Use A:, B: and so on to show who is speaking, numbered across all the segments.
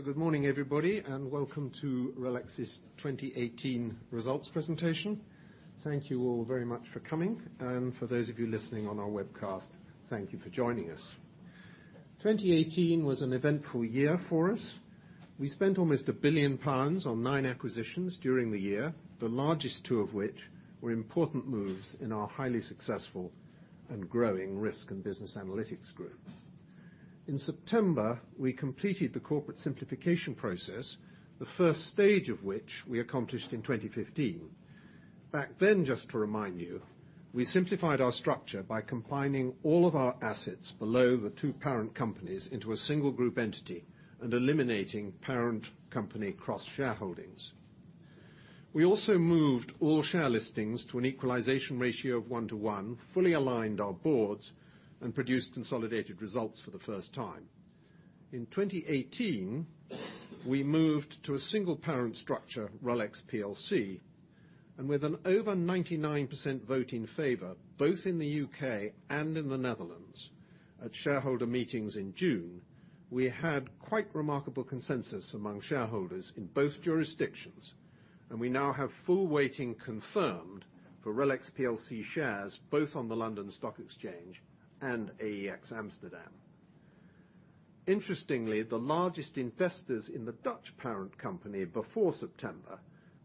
A: Good morning, everybody, and welcome to RELX's 2018 results presentation. Thank you all very much for coming, and for those of you listening on our webcast, thank you for joining us. 2018 was an eventful year for us. We spent almost 1 billion pounds on nine acquisitions during the year, the largest two of which were important moves in our highly successful and growing Risk & Business Analytics group. In September, we completed the corporate simplification process, the first stage of which we accomplished in 2015. Back then, just to remind you, we simplified our structure by combining all of our assets below the two parent companies into a single group entity and eliminating parent company cross-shareholdings. We also moved all share listings to an equalization ratio of one to one, fully aligned our boards, and produced consolidated results for the first time. In 2018, we moved to a single parent structure, RELX PLC. With an over 99% vote in favor, both in the U.K. and in the Netherlands at shareholder meetings in June, we had quite remarkable consensus among shareholders in both jurisdictions, and we now have full weighting confirmed for RELX PLC shares both on the London Stock Exchange and AEX Amsterdam. Interestingly, the largest investors in the Dutch parent company before September,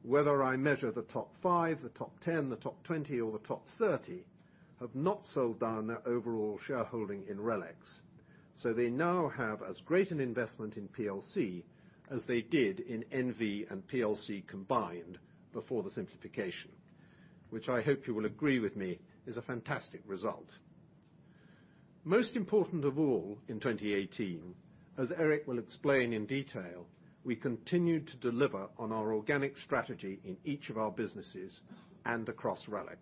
A: whether I measure the top five, the top 10, the top 20, or the top 30, have not sold down their overall shareholding in RELX. They now have as great an investment in PLC as they did in NV and PLC combined before the simplification, which I hope you will agree with me is a fantastic result. Most important of all, in 2018, as Erik will explain in detail, we continued to deliver on our organic strategy in each of our businesses and across RELX.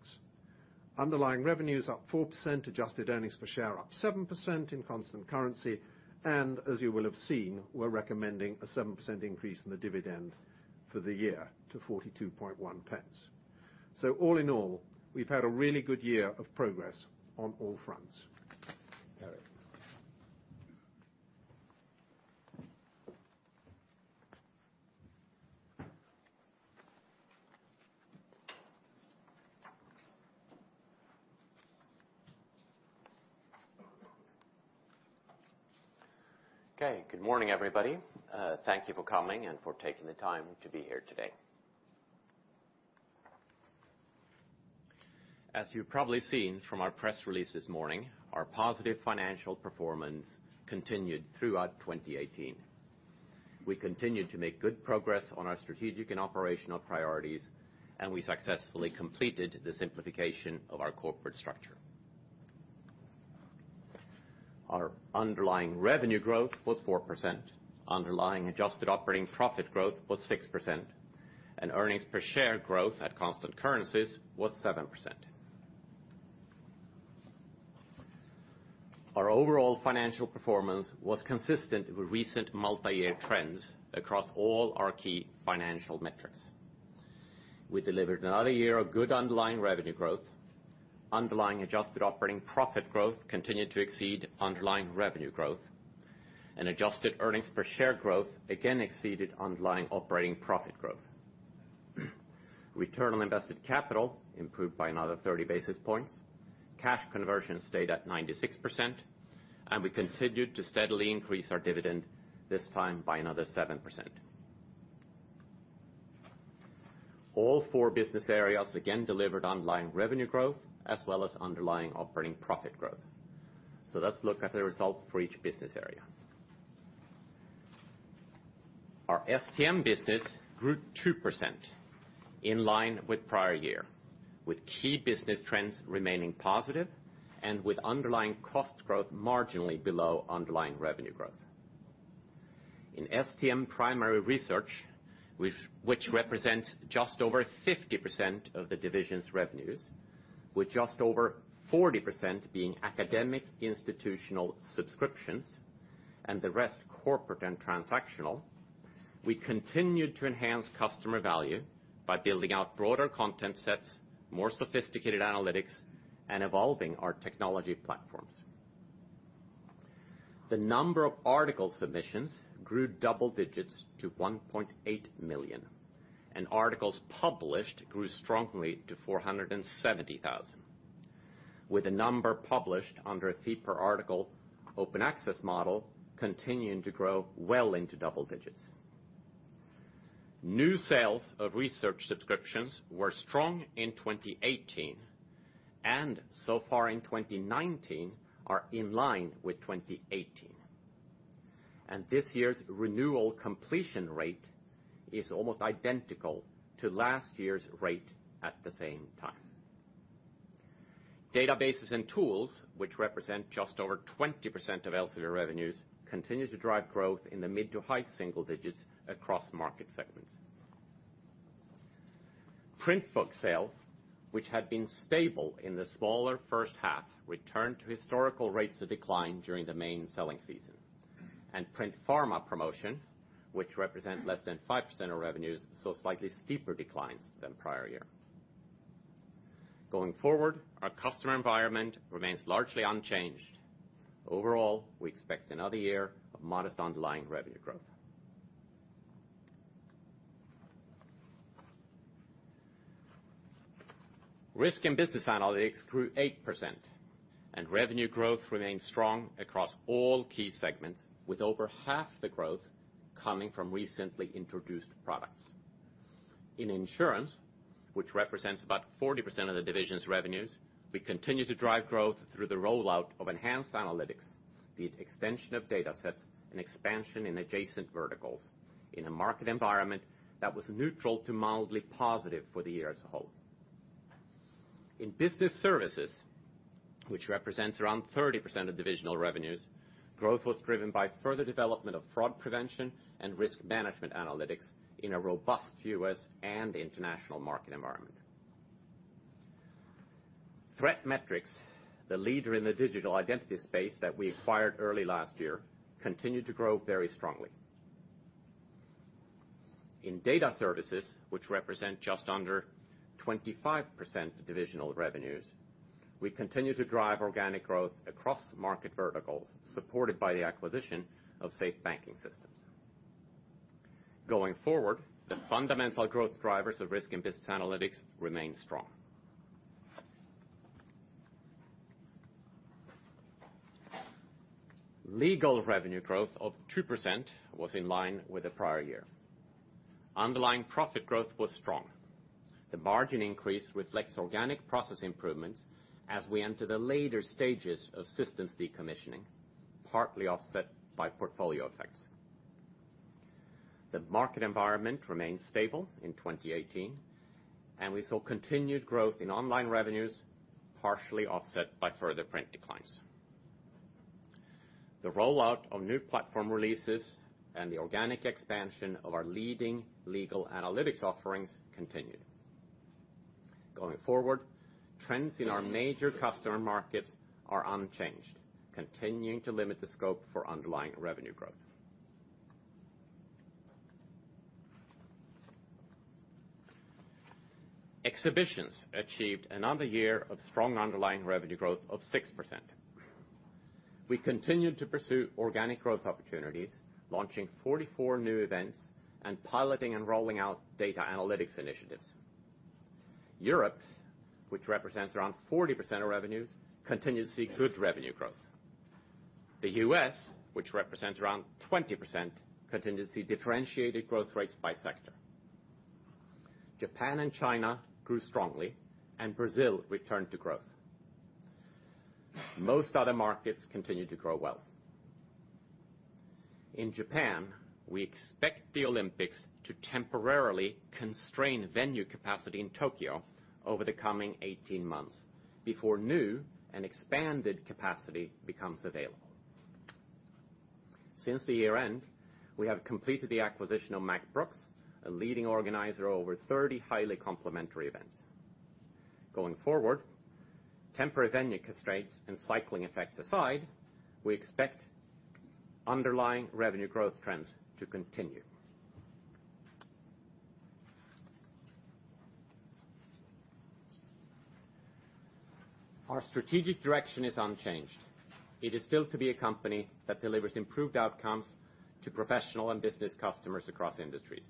A: Underlying revenues up 4%, adjusted earnings per share up 7% in constant currency. As you will have seen, we're recommending a 7% increase in the dividend for the year to 0.421. All in all, we've had a really good year of progress on all fronts. Erik.
B: Good morning, everybody. Thank you for coming and for taking the time to be here today. As you've probably seen from our press release this morning, our positive financial performance continued throughout 2018. We continued to make good progress on our strategic and operational priorities, and we successfully completed the simplification of our corporate structure. Our underlying revenue growth was 4%, underlying adjusted operating profit growth was 6%, and earnings per share growth at constant currencies was 7%. Our overall financial performance was consistent with recent multi-year trends across all our key financial metrics. We delivered another year of good underlying revenue growth. Underlying adjusted operating profit growth continued to exceed underlying revenue growth. Adjusted earnings per share growth again exceeded underlying operating profit growth. Return on invested capital improved by another 30 basis points. Cash conversion stayed at 96%. We continued to steadily increase our dividend, this time by another 7%. All four business areas again delivered underlying revenue growth as well as underlying operating profit growth. Let's look at the results for each business area. Our STM business grew 2% in line with prior year, with key business trends remaining positive and with underlying cost growth marginally below underlying revenue growth. In STM primary research, which represents just over 50% of the division's revenues, with just over 40% being academic institutional subscriptions and the rest corporate and transactional, we continued to enhance customer value by building out broader content sets, more sophisticated analytics, and evolving our technology platforms. The number of article submissions grew double digits to 1.8 million. Articles published grew strongly to 470,000, with the number published under a fee per article Open Access model continuing to grow well into double digits. New sales of research subscriptions were strong in 2018. So far in 2019 are in line with 2018. This year's renewal completion rate is almost identical to last year's rate at the same time. Databases and tools, which represent just over 20% of Elsevier revenues, continue to drive growth in the mid to high single digits across market segments. Print book sales, which had been stable in the smaller first half, returned to historical rates of decline during the main selling season. Print pharma promotion, which represents less than 5% of revenues, saw slightly steeper declines than prior year. Going forward, our customer environment remains largely unchanged. Overall, we expect another year of modest underlying revenue growth. Risk & Business Analytics grew 8%. Revenue growth remains strong across all key segments, with over half the growth coming from recently introduced products. In insurance, which represents about 40% of the division's revenues, we continue to drive growth through the rollout of enhanced analytics, the extension of data sets, and expansion in adjacent verticals in a market environment that was neutral to mildly positive for the year as a whole. In business services, which represents around 30% of divisional revenues, growth was driven by further development of fraud prevention and risk management analytics in a robust U.S. and international market environment. ThreatMetrix, the leader in the Digital Identity space that we acquired early last year, continued to grow very strongly. In data services, which represent just under 25% of divisional revenues, we continue to drive organic growth across market verticals, supported by the acquisition of Safe Banking Systems. Going forward, the fundamental growth drivers of Risk & Business Analytics remain strong. Legal revenue growth of 2% was in line with the prior year. Underlying profit growth was strong. The margin increase reflects organic process improvements as we enter the later stages of systems decommissioning, partly offset by portfolio effects. The market environment remained stable in 2018. We saw continued growth in online revenues, partially offset by further print declines. The rollout of new platform releases and the organic expansion of our leading legal analytics offerings continued. Going forward, trends in our major customer markets are unchanged, continuing to limit the scope for underlying revenue growth. Exhibitions achieved another year of strong underlying revenue growth of 6%. We continued to pursue organic growth opportunities, launching 44 new events and piloting and rolling out data analytics initiatives. Europe, which represents around 40% of revenues, continues to see good revenue growth. The U.S., which represents around 20%, continues to see differentiated growth rates by sector. Japan and China grew strongly, and Brazil returned to growth. Most other markets continue to grow well. In Japan, we expect the Olympics to temporarily constrain venue capacity in Tokyo over the coming 18 months before new and expanded capacity becomes available. Since the year-end, we have completed the acquisition of Mack-Brooks Exhibitions, a leading organizer of over 30 highly complementary events. Going forward, temporary venue constraints and cycling effects aside, we expect underlying revenue growth trends to continue. Our strategic direction is unchanged. It is still to be a company that delivers improved outcomes to professional and business customers across industries.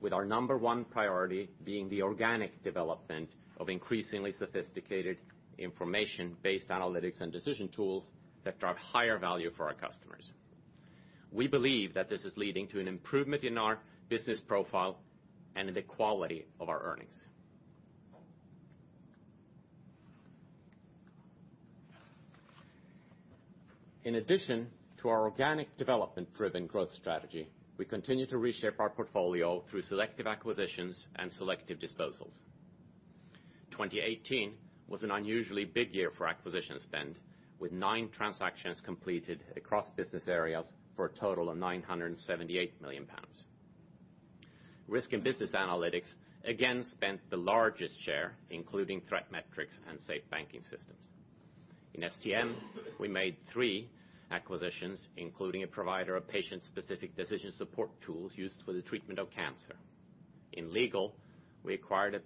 B: With our number 1 priority being the organic development of increasingly sophisticated information-based analytics and decision tools that drive higher value for our customers. We believe that this is leading to an improvement in our business profile and in the quality of our earnings. In addition to our organic development-driven growth strategy, we continue to reshape our portfolio through selective acquisitions and selective disposals. 2018 was an unusually big year for acquisition spend, with nine transactions completed across business areas for a total of 978 million pounds. Risk & Business Analytics, again, spent the largest share, including ThreatMetrix and Safe Banking Systems. In STM, we made three acquisitions, including a provider of patient-specific decision support tools used for the treatment of cancer. In Legal, we acquired a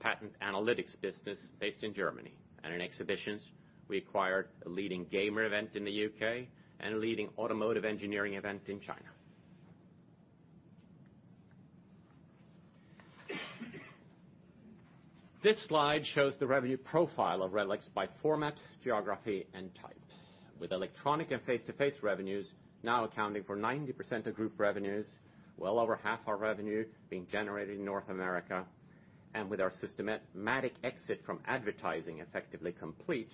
B: patent analytics business based in Germany. In Exhibitions, we acquired a leading gamer event in the U.K. and a leading automotive engineering event in China. This slide shows the revenue profile of RELX by format, geography, and type. With electronic and face-to-face revenues now accounting for 90% of group revenues, well over half our revenue being generated in North America, and with our systematic exit from advertising effectively complete,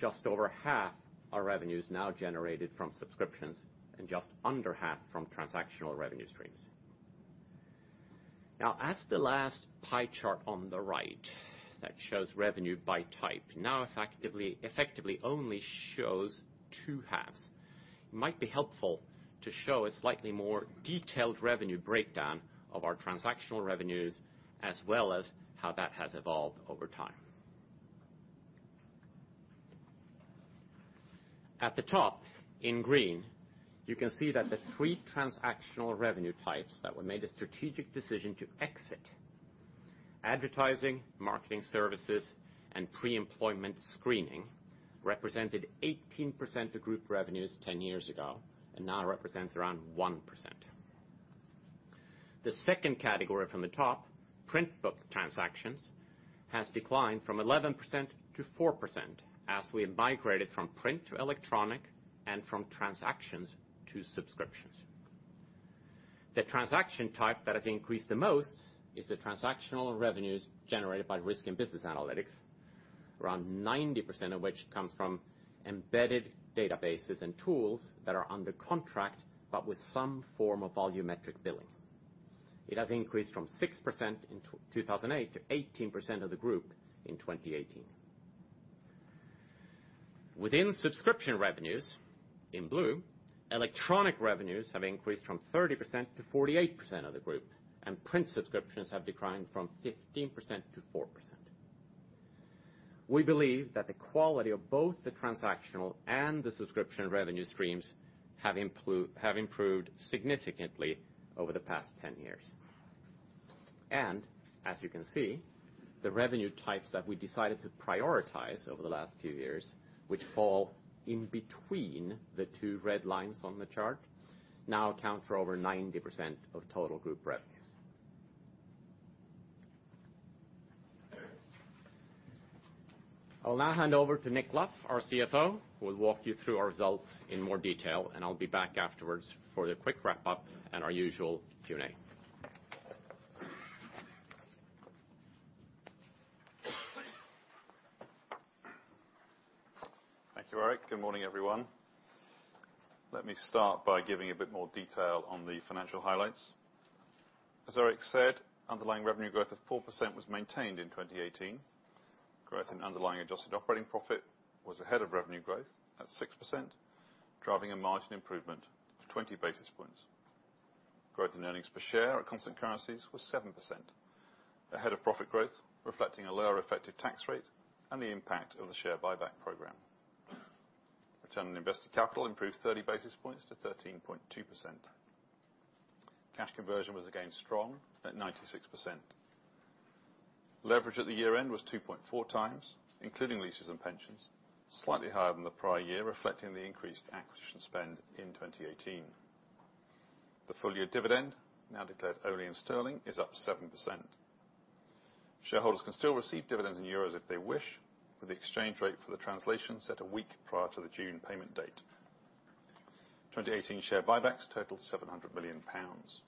B: just over half our revenue is now generated from subscriptions and just under half from transactional revenue streams. Now, as the last pie chart on the right that shows revenue by type now effectively only shows two halves, it might be helpful to show a slightly more detailed revenue breakdown of our transactional revenues, as well as how that has evolved over time. At the top, in green, you can see that the three transactional revenue types that we made a strategic decision to exit, advertising, marketing services, and pre-employment screening, represented 18% of group revenues 10 years ago, and now represent around 1%. The second category from the top, print book transactions, has declined from 11% to 4% as we have migrated from print to electronic and from transactions to subscriptions. The transaction type that has increased the most is the transactional revenues generated by Risk & Business Analytics, around 90% of which comes from embedded databases and tools that are under contract, but with some form of volumetric billing. It has increased from 6% in 2008 to 18% of the group in 2018. Within subscription revenues, in blue, electronic revenues have increased from 30% to 48% of the group, and print subscriptions have declined from 15% to 4%. We believe that the quality of both the transactional and the subscription revenue streams have improved significantly over the past 10 years. As you can see, the revenue types that we decided to prioritize over the last few years, which fall in between the two red lines on the chart, now account for over 90% of total group revenues. I'll now hand over to Nick Luff, our CFO, who will walk you through our results in more detail, and I'll be back afterwards for the quick wrap-up and our usual Q&A.
A: Thank you, Erik. Good morning, everyone. Let me start by giving a bit more detail on the financial highlights. As Erik said, underlying revenue growth of 4% was maintained in 2018. Growth in underlying adjusted operating profit was ahead of revenue growth at 6%, driving a margin improvement of 20 basis points. Growth in earnings per share at constant currencies was 7%, ahead of profit growth, reflecting a lower effective tax rate and the impact of the share buyback program. Return on invested capital improved 30 basis points to 13.2%. Cash conversion was again strong at 96%. Leverage at the year-end was 2.4 times, including leases and pensions, slightly higher than the prior year, reflecting the increased acquisition spend in 2018. The full-year dividend, now declared only in sterling, is up 7%. Shareholders can still receive dividends in euros if they wish, with the exchange rate for the translation set a week prior to the June payment date. 2018 share buybacks totaled 700 million pounds.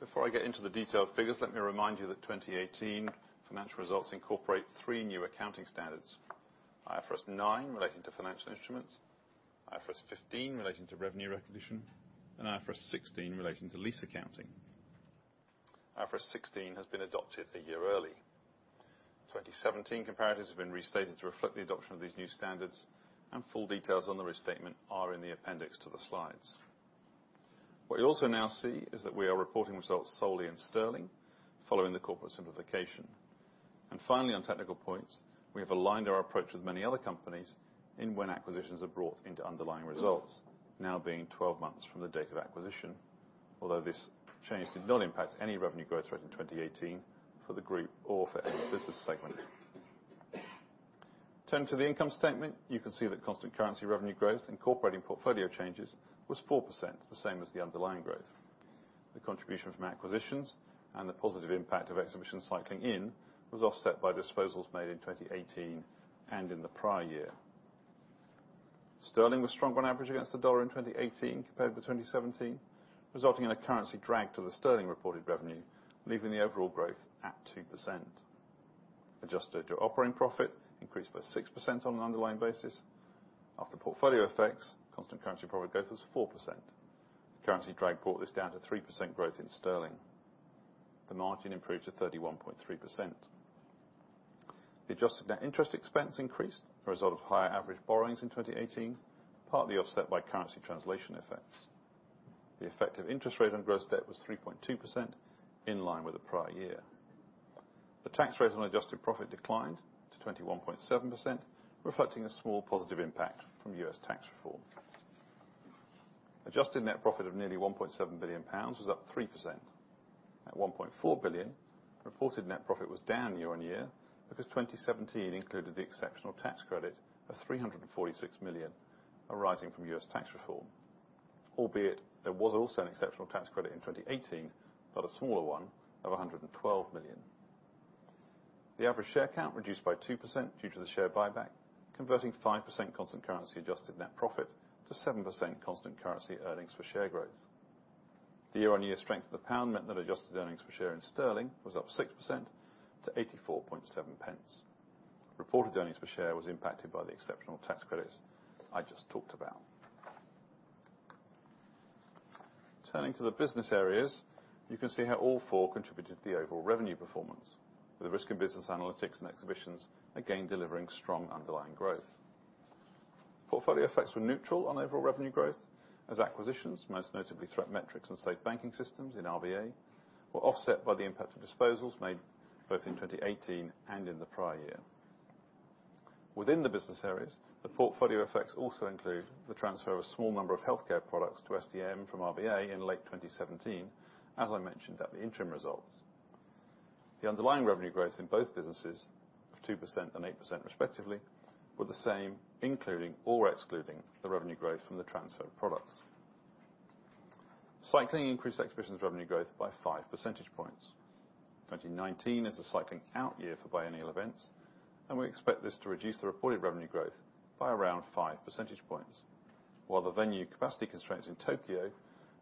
A: Before I get into the detailed figures, let me remind you that 2018 financial results incorporate three new accounting standards. IFRS 9, relating to financial instruments, IFRS 15, relating to revenue recognition, and IFRS 16, relating to lease accounting. IFRS 16 has been adopted a year early. 2017 comparatives have been restated to reflect the adoption of these new standards, and full details on the restatement are in the appendix to the slides. What you also now see is that we are reporting results solely in sterling following the corporate simplification. Finally, on technical points, we have aligned our approach with many other companies in when acquisitions are brought into underlying results, now being 12 months from the date of acquisition. Although this change did not impact any revenue growth rate in 2018 for the group or for any business segment. Turn to the income statement. You can see that constant currency revenue growth incorporating portfolio changes was 4%, the same as the underlying growth. The contribution from acquisitions and the positive impact of exhibition cycling in was offset by disposals made in 2018 and in the prior year. Sterling was stronger on average against the dollar in 2018 compared with 2017, resulting in a currency drag to the sterling reported revenue, leaving the overall growth at 2%. Adjusted to operating profit increased by 6% on an underlying basis. After portfolio effects, constant currency profit growth was 4%. Currency drag brought this down to 3% growth in sterling. The margin improved to 31.3%. The adjusted net interest expense increased a result of higher average borrowings in 2018, partly offset by currency translation effects. The effective interest rate on gross debt was 3.2%, in line with the prior year. The tax rate on adjusted profit declined to 21.7%, reflecting a small positive impact from U.S. tax reform. Adjusted net profit of nearly 1.7 billion pounds was up 3%. At 1.4 billion, reported net profit was down year-on-year because 2017 included the exceptional tax credit of 346 million arising from U.S. tax reform. Albeit, there was also an exceptional tax credit in 2018, but a smaller one of 112 million. The average share count reduced by 2% due to the share buyback, converting 5% constant currency adjusted net profit to 7% constant currency earnings per share growth. The year-on-year strength of the pound meant that adjusted earnings per share in sterling was up 6% to 0.847. Reported earnings per share was impacted by the exceptional tax credits I just talked about. Turning to the business areas, you can see how all four contributed to the overall revenue performance, with Risk & Business Analytics and Exhibitions again delivering strong underlying growth. Portfolio effects were neutral on overall revenue growth as acquisitions, most notably ThreatMetrix and Safe Banking Systems in RBA, were offset by the impact of disposals made both in 2018 and in the prior year. Within the business areas, the portfolio effects also include the transfer of a small number of healthcare products to STM from RBA in late 2017, as I mentioned at the interim results. The underlying revenue growth in both businesses of 2% and 8% respectively were the same, including or excluding the revenue growth from the transfer of products. Cycling increased Exhibitions revenue growth by 5 percentage points. 2019 is a cycling out year for biennial events, and we expect this to reduce the reported revenue growth by around 5 percentage points. While the venue capacity constraints in Tokyo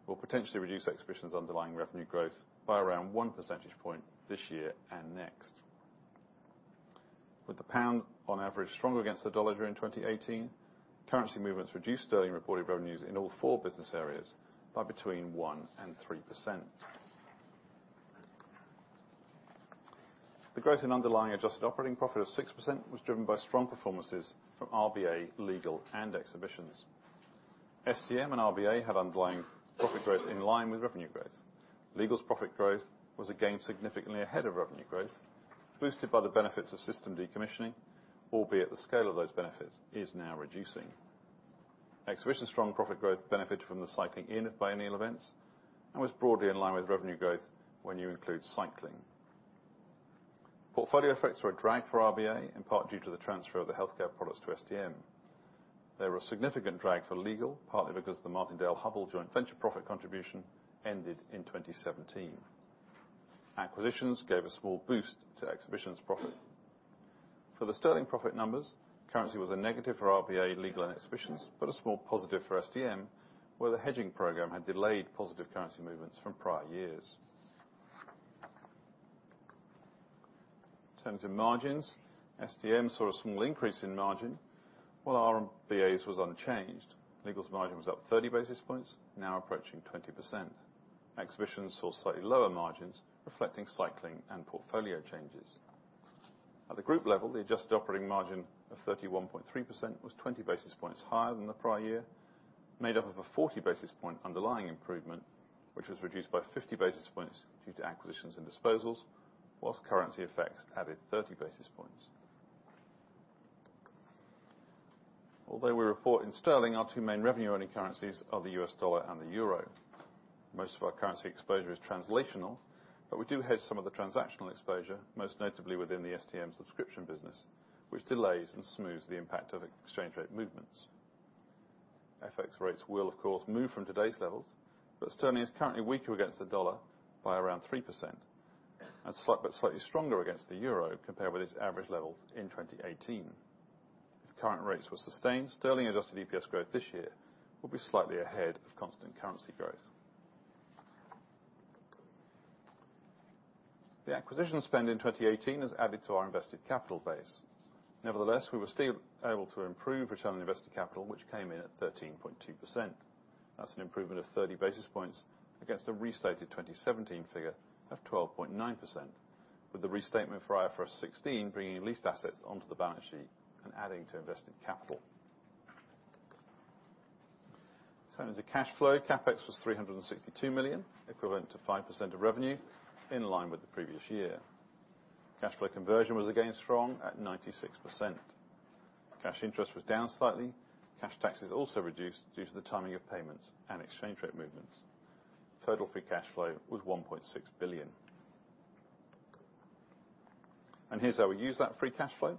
A: will potentially reduce Exhibitions' underlying revenue growth by around 1 percentage point this year and next. With the pound on average stronger against the dollar during 2018, currency movements reduced sterling reported revenues in all four business areas by between 1% and 3%. The growth in underlying adjusted operating profit of 6% was driven by strong performances from RBA, Legal, and Exhibitions. STM and RBA had underlying profit growth in line with revenue growth. Legal's profit growth was, again, significantly ahead of revenue growth, boosted by the benefits of system decommissioning, albeit the scale of those benefits is now reducing. Exhibitions' strong profit growth benefited from the cycling in of biennial events and was broadly in line with revenue growth when you include cycling. Portfolio effects were a drag for RBA, in part due to the transfer of the healthcare products to STM. They were a significant drag for Legal, partly because the Martindale-Hubbell joint venture profit contribution ended in 2017. Acquisitions gave a small boost to Exhibitions profit. For the sterling profit numbers, currency was a negative for RBA, Legal, and Exhibitions, but a small positive for STM, where the hedging program had delayed positive currency movements from prior years. In terms of margins, STM saw a small increase in margin while RBA's was unchanged. Legal's margin was up 30 basis points, now approaching 20%. Exhibitions saw slightly lower margins, reflecting cycling and portfolio changes. At the group level, the adjusted operating margin of 31.3% was 20 basis points higher than the prior year, made up of a 40 basis point underlying improvement, which was reduced by 50 basis points due to acquisitions and disposals, whilst currency effects added 30 basis points. Although we report in sterling, our two main revenue earning currencies are the US dollar and the euro. Most of our currency exposure is translational, but we do hedge some of the transactional exposure, most notably within the STM subscription business, which delays and smooths the impact of exchange rate movements. FX rates will of course move from today's levels, but sterling is currently weaker against the dollar by around 3% and slightly stronger against the euro compared with its average levels in 2018. If current rates were sustained, sterling-adjusted EPS growth this year will be slightly ahead of constant currency growth. The acquisition spend in 2018 has added to our invested capital base. We were still able to improve return on invested capital, which came in at 13.2%. That's an improvement of 30 basis points against the restated 2017 figure of 12.9%, with the restatement for IFRS 16 bringing leased assets onto the balance sheet and adding to invested capital. In terms of cash flow, CapEx was 362 million, equivalent to 5% of revenue, in line with the previous year. Cash flow conversion was again strong at 96%. Cash interest was down slightly. Cash taxes also reduced due to the timing of payments and exchange rate movements. Total free cash flow was 1.6 billion. Here's how we used that free cash flow.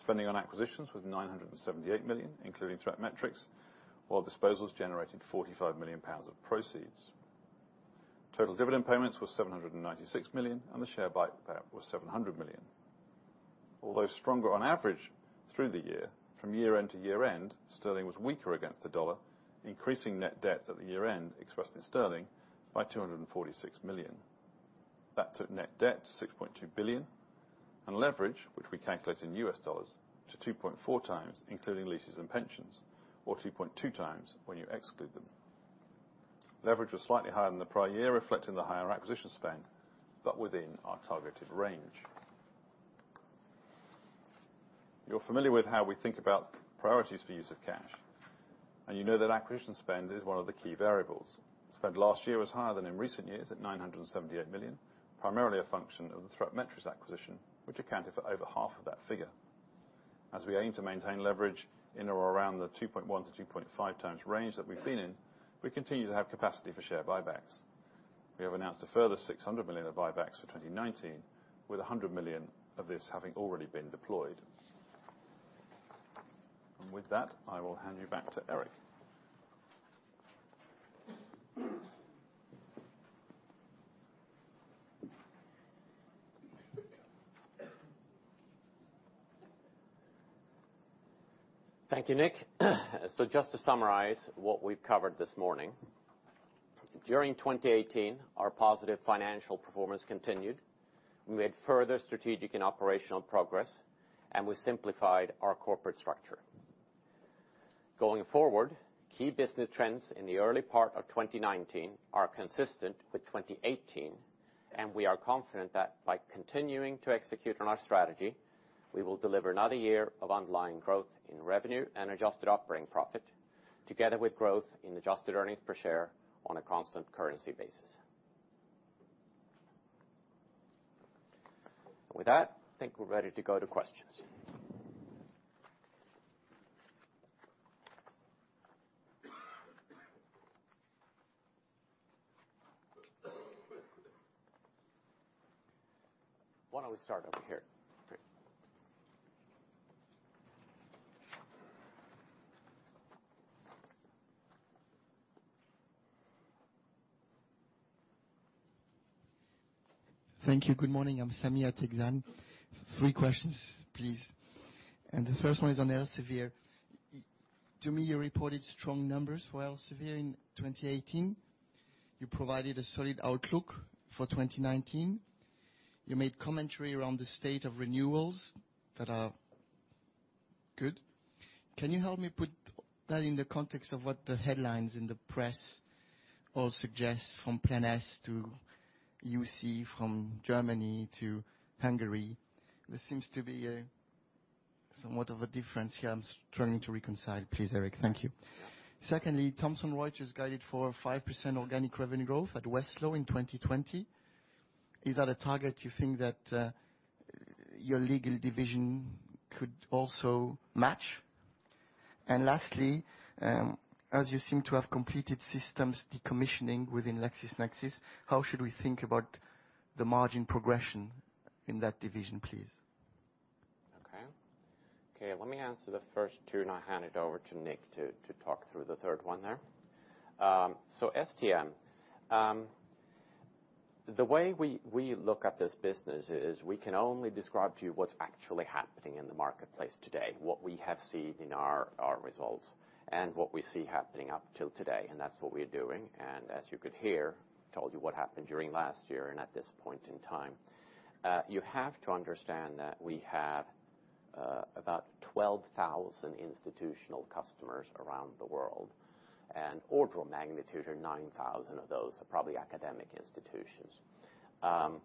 A: Spending on acquisitions was 978 million, including ThreatMetrix, while disposals generated 45 million pounds of proceeds. Total dividend payments were 796 million, and the share buyback was 700 million. Although stronger on average through the year, from year-end to year-end, sterling was weaker against the dollar, increasing net debt at the year-end expressed in sterling by 246 million. That took net debt to 6.2 billion, and leverage, which we calculate in US dollars, to 2.4 times, including leases and pensions, or 2.2 times when you exclude them. Leverage was slightly higher than the prior year, reflecting the higher acquisition spend, but within our targeted range. You're familiar with how we think about priorities for use of cash, you know that acquisition spend is one of the key variables. Spend last year was higher than in recent years at 978 million, primarily a function of the ThreatMetrix acquisition, which accounted for over half of that figure. As we aim to maintain leverage in or around the 2.1-2.5 times range that we've been in, we continue to have capacity for share buybacks. We have announced a further 600 million of buybacks for 2019, with 100 million of this having already been deployed. With that, I will hand you back to Erik.
B: Thank you, Nick. Just to summarize what we've covered this morning. During 2018, our positive financial performance continued. We made further strategic and operational progress, and we simplified our corporate structure. Going forward, key business trends in the early part of 2019 are consistent with 2018. We are confident that by continuing to execute on our strategy, we will deliver another year of underlying growth in revenue and adjusted operating profit, together with growth in Adjusted Earnings Per Share on a constant currency basis. With that, I think we're ready to go to questions. Why don't we start over here? Great.
C: Thank you. Good morning. I'm Sami Utegan. Three questions, please. The first one is on Elsevier. To me, you reported strong numbers for Elsevier in 2018. You provided a solid outlook for 2019. You made commentary around the state of renewals that are good. Can you help me put that in the context of what the headlines in the press all suggest from Plan S to UC, from Germany to Hungary? There seems to be somewhat of a difference here I'm struggling to reconcile, please, Erik. Thank you.
B: Yeah.
C: Secondly, Thomson Reuters guided for 5% organic revenue growth at Westlaw in 2020. Is that a target you think that your legal division could also match? Lastly, as you seem to have completed systems decommissioning within LexisNexis, how should we think about the margin progression in that division, please?
B: Okay. Let me answer the first two and I'll hand it over to Nick to talk through the third one there. STM. The way we look at this business is we can only describe to you what's actually happening in the marketplace today, what we have seen in our results, and what we see happening up till today, and that's what we are doing and as you could hear, told you what happened during last year and at this point in time. You have to understand that we have about 12,000 institutional customers around the world, and order of magnitude of 9,000 of those are probably academic institutions.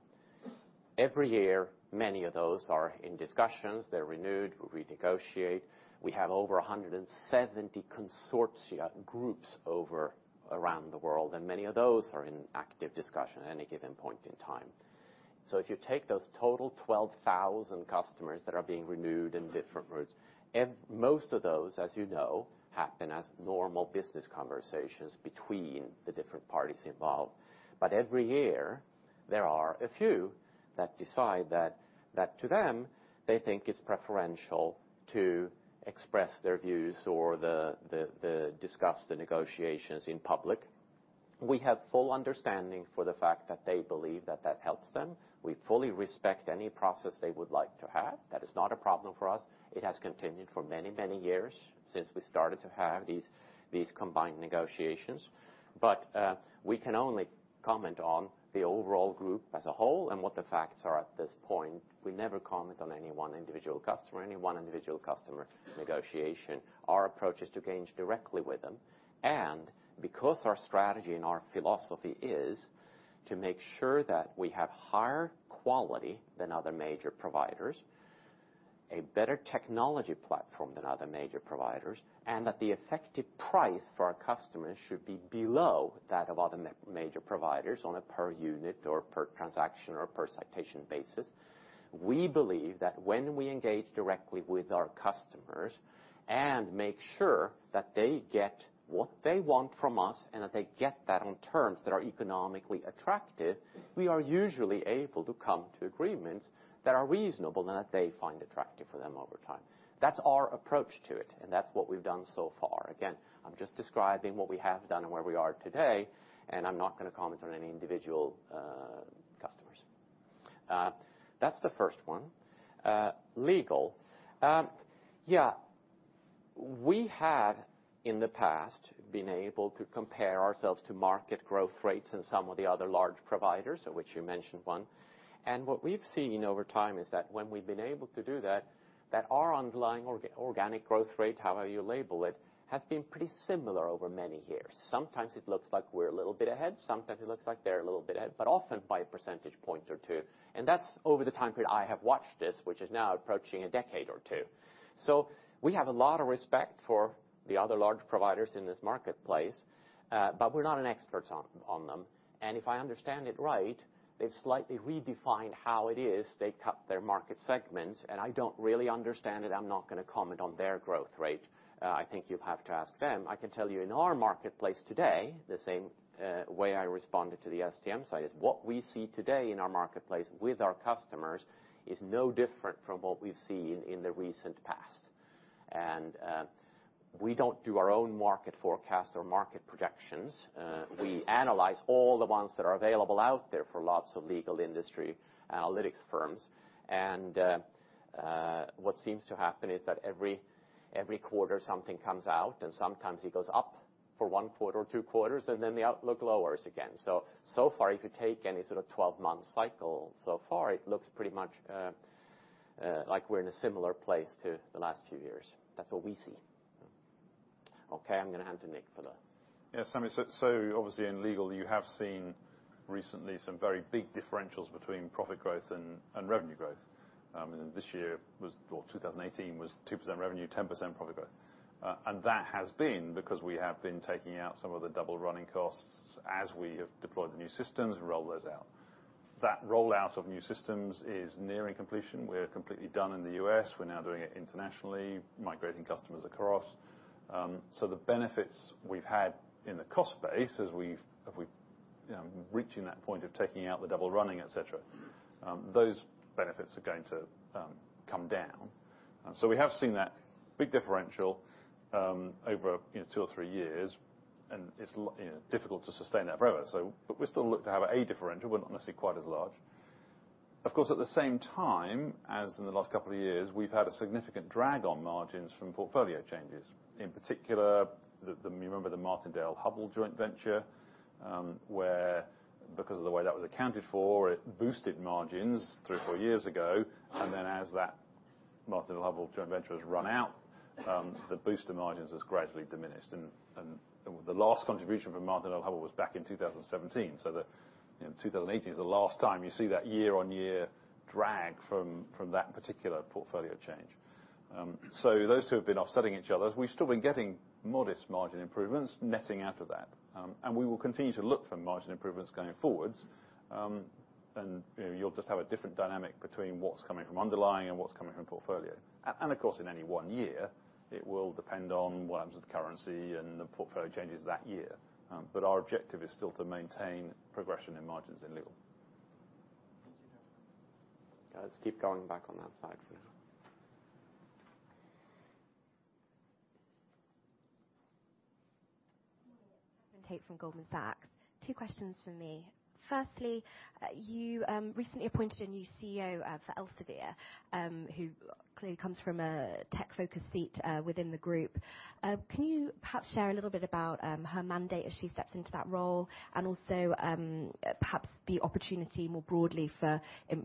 B: Every year, many of those are in discussions. They're renewed. We renegotiate. We have over 170 consortia groups around the world, and many of those are in active discussion at any given point in time. If you take those total 12,000 customers that are being renewed in different routes, most of those, as you know, happen as normal business conversations between the different parties involved. Every year, there are a few that decide that to them, they think it's preferential to express their views or discuss the negotiations in public. We have full understanding for the fact that they believe that that helps them. We fully respect any process they would like to have. That is not a problem for us. It has continued for many years since we started to have these combined negotiations. We can only comment on the overall group as a whole and what the facts are at this point. We never comment on any one individual customer or any one individual customer negotiation. Our approach is to engage directly with them. Because our strategy and our philosophy is to make sure that we have higher quality than other major providers, a better technology platform than other major providers, and that the effective price for our customers should be below that of other major providers on a per unit or per transaction or per citation basis. We believe that when we engage directly with our customers and make sure that they get what they want from us and that they get that on terms that are economically attractive, we are usually able to come to agreements that are reasonable and that they find attractive for them over time. That's our approach to it, and that's what we've done so far. Again, I'm just describing what we have done and where we are today, and I'm not going to comment on any individual customers. That's the first one. Legal. We have, in the past, been able to compare ourselves to market growth rates and some of the other large providers, of which you mentioned one. What we've seen over time is that when we've been able to do that our underlying organic growth rate, however you label it, has been pretty similar over many years. Sometimes it looks like we're a little bit ahead, sometimes it looks like they're a little bit ahead, but often by a percentage point or two. That's over the time period I have watched this, which is now approaching a decade or two. We have a lot of respect for the other large providers in this marketplace, but we're not experts on them. If I understand it right, they've slightly redefined how it is they cut their market segments, and I don't really understand it. I'm not going to comment on their growth rate. I think you'd have to ask them. I can tell you in our marketplace today, the same way I responded to the STM side, is what we see today in our marketplace with our customers is no different from what we've seen in the recent past. We don't do our own market forecast or market projections. We analyze all the ones that are available out there for lots of legal industry analytics firms. What seems to happen is that every quarter, something comes out and sometimes it goes up for one quarter or two quarters, and then the outlook lowers again. So far, if you take any sort of 12-month cycle so far, it looks pretty much like we're in a similar place to the last few years. That's what we see. Okay. I'm going to hand to Nick for that.
A: Yes, Sami. Obviously in Legal, you have seen recently some very big differentials between profit growth and revenue growth. This year, well, 2018, was 2% revenue, 10% profit growth. That has been because we have been taking out some of the double running costs as we have deployed the new systems and rolled those out. That rollout of new systems is nearing completion. We're completely done in the U.S. We're now doing it internationally, migrating customers across. The benefits we've had in the cost base as we've reaching that point of taking out the double running, et cetera, those benefits are going to come down. We have seen that big differential over two or three years, and it's difficult to sustain that forever. We still look to have a differential, but not necessarily quite as large. Of course, at the same time, as in the last couple of years, we've had a significant drag on margins from portfolio changes. In particular, you remember the Martindale-Hubbell joint venture, where because of the way that was accounted for, it boosted margins three or four years ago. Then as that Martindale-Hubbell joint venture has run out, the boost in margins has gradually diminished. The last contribution from Martindale-Hubbell was back in 2017. 2018 is the last time you see that year-on-year drag from that particular portfolio change. Those two have been offsetting each other. We've still been getting modest margin improvements netting out of that. We will continue to look for margin improvements going forwards. You'll just have a different dynamic between what's coming from underlying and what's coming from portfolio. In any one year, it will depend on what happens with currency and the portfolio changes that year. Our objective is still to maintain progression in margins in Legal.
B: Let's keep going back on that slide for now.
D: Kate from Goldman Sachs. Two questions from me. Firstly, you recently appointed a new CEO for Elsevier, who clearly comes from a tech-focused seat within the group. Can you perhaps share a little bit about her mandate as she steps into that role? Also, perhaps the opportunity more broadly for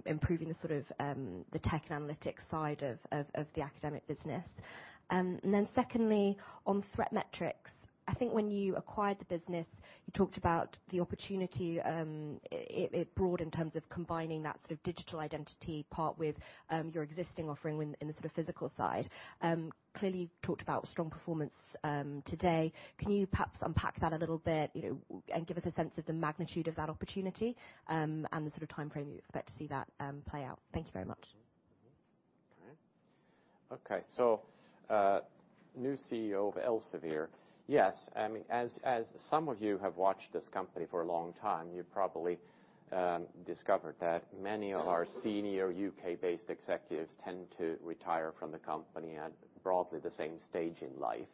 D: improving the tech and analytics side of the academic business. Then secondly, on ThreatMetrix, I think when you acquired the business, you talked about the opportunity it brought in terms of combining that sort of digital identity part with your existing offering in the sort of physical side. Clearly, you talked about strong performance today. Can you perhaps unpack that a little bit, and give us a sense of the magnitude of that opportunity, and the sort of timeframe you expect to see that play out? Thank you very much.
B: Okay. New CEO of Elsevier. Yes. As some of you have watched this company for a long time, you probably discovered that many of our senior U.K.-based executives tend to retire from the company at broadly the same stage in life.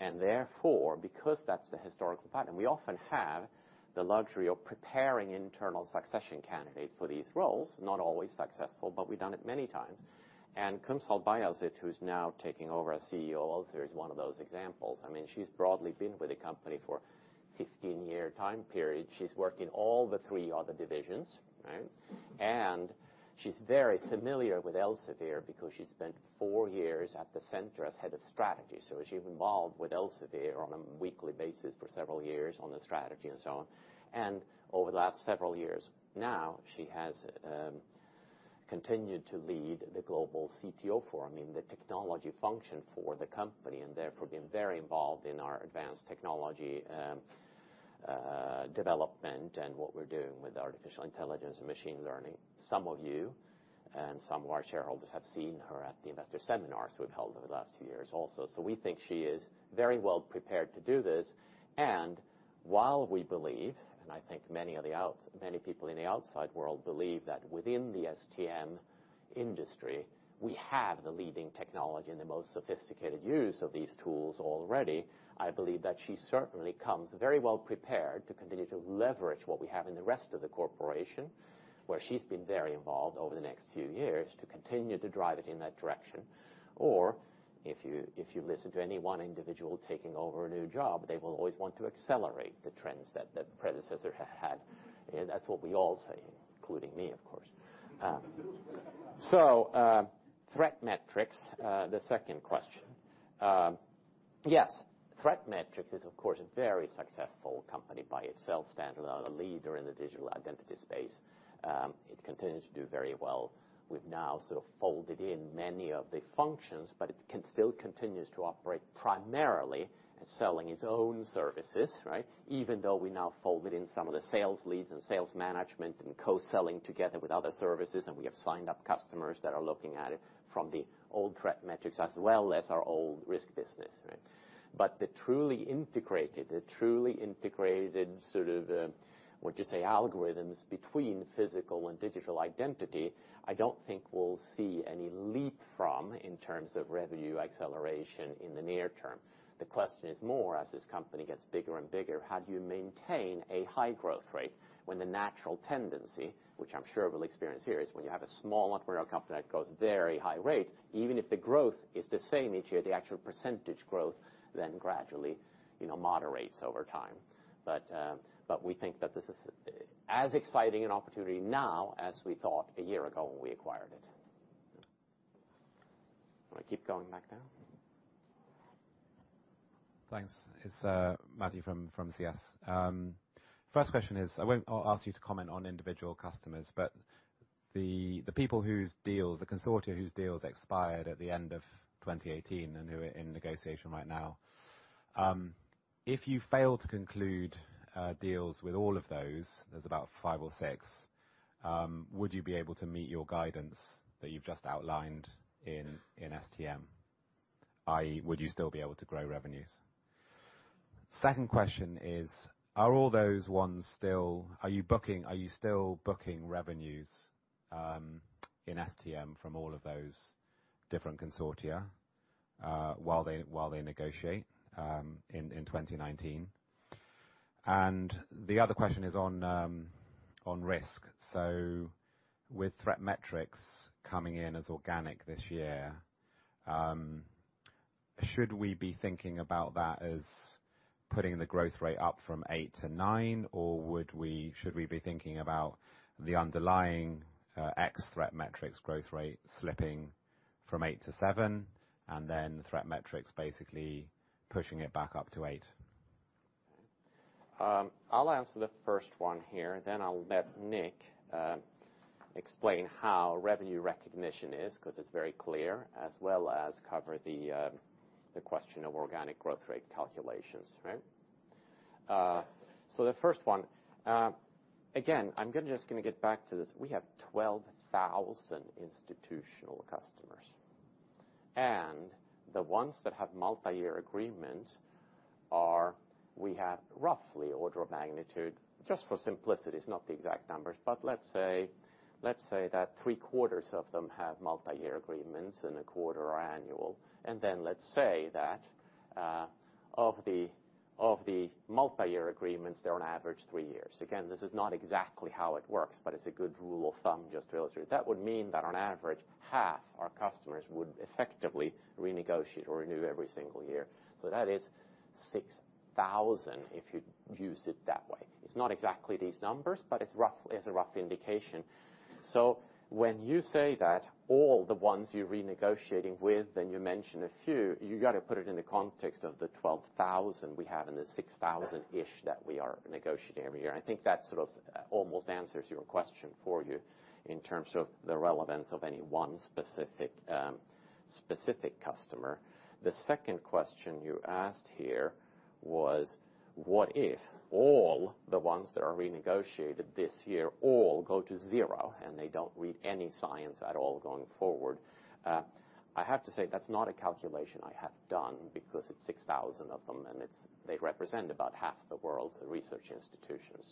B: Therefore, because that's the historical pattern, we often have the luxury of preparing internal succession candidates for these roles, not always successful, but we've done it many times. Kumsal Bayazit, who's now taking over as CEO of Elsevier, is one of those examples. She's broadly been with the company for 15-year time period. She's worked in all the three other divisions. She's very familiar with Elsevier because she spent four years at the center as head of strategy. She was involved with Elsevier on a weekly basis for several years on the strategy and so on. Over the last several years now, she has continued to lead the global CTO forum in the technology function for the company, and therefore been very involved in our artificial intelligence and machine learning. Some of you and some of our shareholders have seen her at the investor seminars we've held over the last few years also. We think she is very well prepared to do this. While we believe, and I think many people in the outside world believe that within the STM industry, we have the leading technology and the most sophisticated use of these tools already. I believe that she certainly comes very well prepared to continue to leverage what we have in the rest of the corporation, where she's been very involved over the next few years to continue to drive it in that direction. If you listen to any one individual taking over a new job, they will always want to accelerate the trends that the predecessor had. That's what we all say, including me, of course. ThreatMetrix, the second question. Yes, ThreatMetrix is, of course, a very successful company by itself, standard on a leader in the digital identity space. It continues to do very well. We've now sort of folded in many of the functions, but it still continues to operate primarily selling its own services. Even though we now folded in some of the sales leads and sales management and co-selling together with other services, and we have signed up customers that are looking at it from the old ThreatMetrix as well as our old risk business. The truly integrated sort of, what you say, algorithms between physical and digital identity, I don't think we'll see any leap from in terms of revenue acceleration in the near term. The question is more as this company gets bigger and bigger, how do you maintain a high growth rate when the natural tendency, which I'm sure we'll experience here, is when you have a small entrepreneurial company that grows very high rate. Even if the growth is the same each year, the actual percentage growth then gradually moderates over time. We think that this is as exciting an opportunity now as we thought a year ago when we acquired it. You want to keep going back there?
E: Thanks. It's Matthew from CS. First question is, I won't ask you to comment on individual customers. The people whose deals, the consortia whose deals expired at the end of 2018 and who are in negotiation right now, if you fail to conclude deals with all of those, there's about five or six, would you be able to meet your guidance that you've just outlined in STM? I.e., would you still be able to grow revenues? Second question is, are you still booking revenues in STM from all of those different consortia, while they negotiate, in 2019? The other question is on risk. With ThreatMetrix coming in as organic this year, should we be thinking about that as putting the growth rate up from eight to nine, or should we be thinking about the underlying ex-ThreatMetrix growth rate slipping from eight to seven, and then ThreatMetrix basically pushing it back up to eight?
B: I'll answer the first one here, then I'll let Nick explain how revenue recognition is, because it's very clear, as well as cover the question of organic growth rate calculations. The first one, again, I'm just going to get back to this. We have 12,000 institutional customers. The ones that have multi-year agreement are, we have roughly order of magnitude, just for simplicity, it's not the exact numbers, but let's say that three quarters of them have multi-year agreements and a quarter are annual. Then let's say that, of the multi-year agreements, they're on average three years. Again, this is not exactly how it works, but it's a good rule of thumb just to illustrate. That would mean that on average, half our customers would effectively renegotiate or renew every single year. That is 6,000, if you use it that way. It's not exactly these numbers, but it's a rough indication. When you say that all the ones you're renegotiating with, and you mention a few, you got to put it in the context of the 12,000 we have and the 6,000-ish that we are negotiating every year. I think that sort of almost answers your question for you in terms of the relevance of any one specific customer. The second question you asked here was, what if all the ones that are renegotiated this year all go to zero and they don't read any science at all going forward? I have to say, that's not a calculation I have done because it's 6,000 of them and they represent about half the world's research institutions.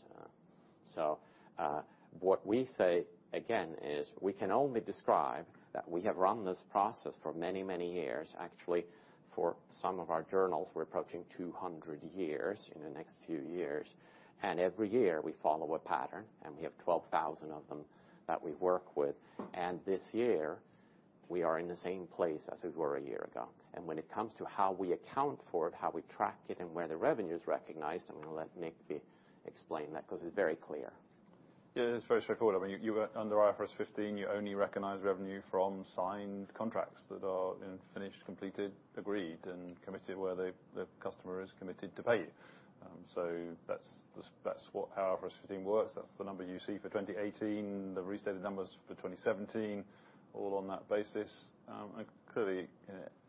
B: What we say, again, is we can only describe that we have run this process for many, many years. Actually, for some of our journals, we're approaching 200 years in the next few years. Every year we follow a pattern, and we have 12,000 of them that we work with. This year, we are in the same place as we were a year ago. When it comes to how we account for it, how we track it, and where the revenue's recognized, I'm going to let Nick explain that because it's very clear.
A: Yeah, it's very straightforward. Under IFRS 15, you only recognize revenue from signed contracts that are finished, completed, agreed, and committed, where the customer is committed to pay you. That's how IFRS 15 works. That's the number you see for 2018, the restated numbers for 2017, all on that basis. Clearly,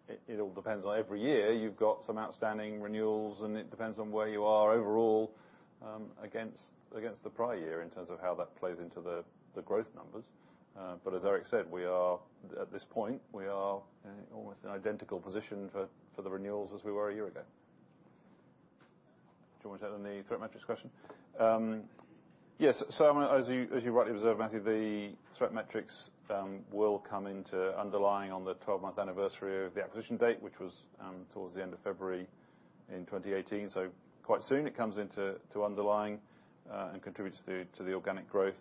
A: it all depends on every year, you've got some outstanding renewals, and it depends on where you are overall, against the prior year in terms of how that plays into the growth numbers. As Erik said, at this point, we are in almost an identical position for the renewals as we were a year ago. Do you want me to take on the ThreatMetrix question? Yes. As you rightly observed, Matthew, ThreatMetrix will come into underlying on the 12-month anniversary of the acquisition date, which was towards the end of February in 2018. Quite soon it comes into underlying, and contributes to the organic growth.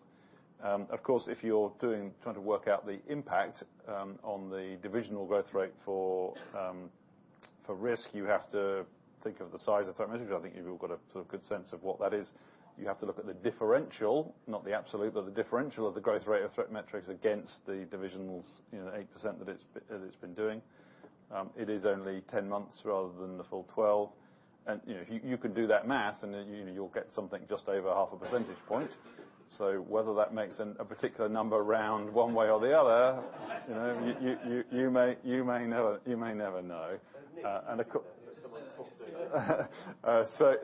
A: Of course, if you're trying to work out the impact on the divisional growth rate for risk, you have to think of the size of ThreatMetrix, which I think you've all got a sort of good sense of what that is. You have to look at the differential, not the absolute, but the differential of the growth rate of ThreatMetrix against the division's 8% that it's been doing. It is only 10 months rather than the full 12. If you could do that math, then you'll get something just over half a percentage point. Whether that makes a particular number round one way or the other, you may never know.
B: Nick.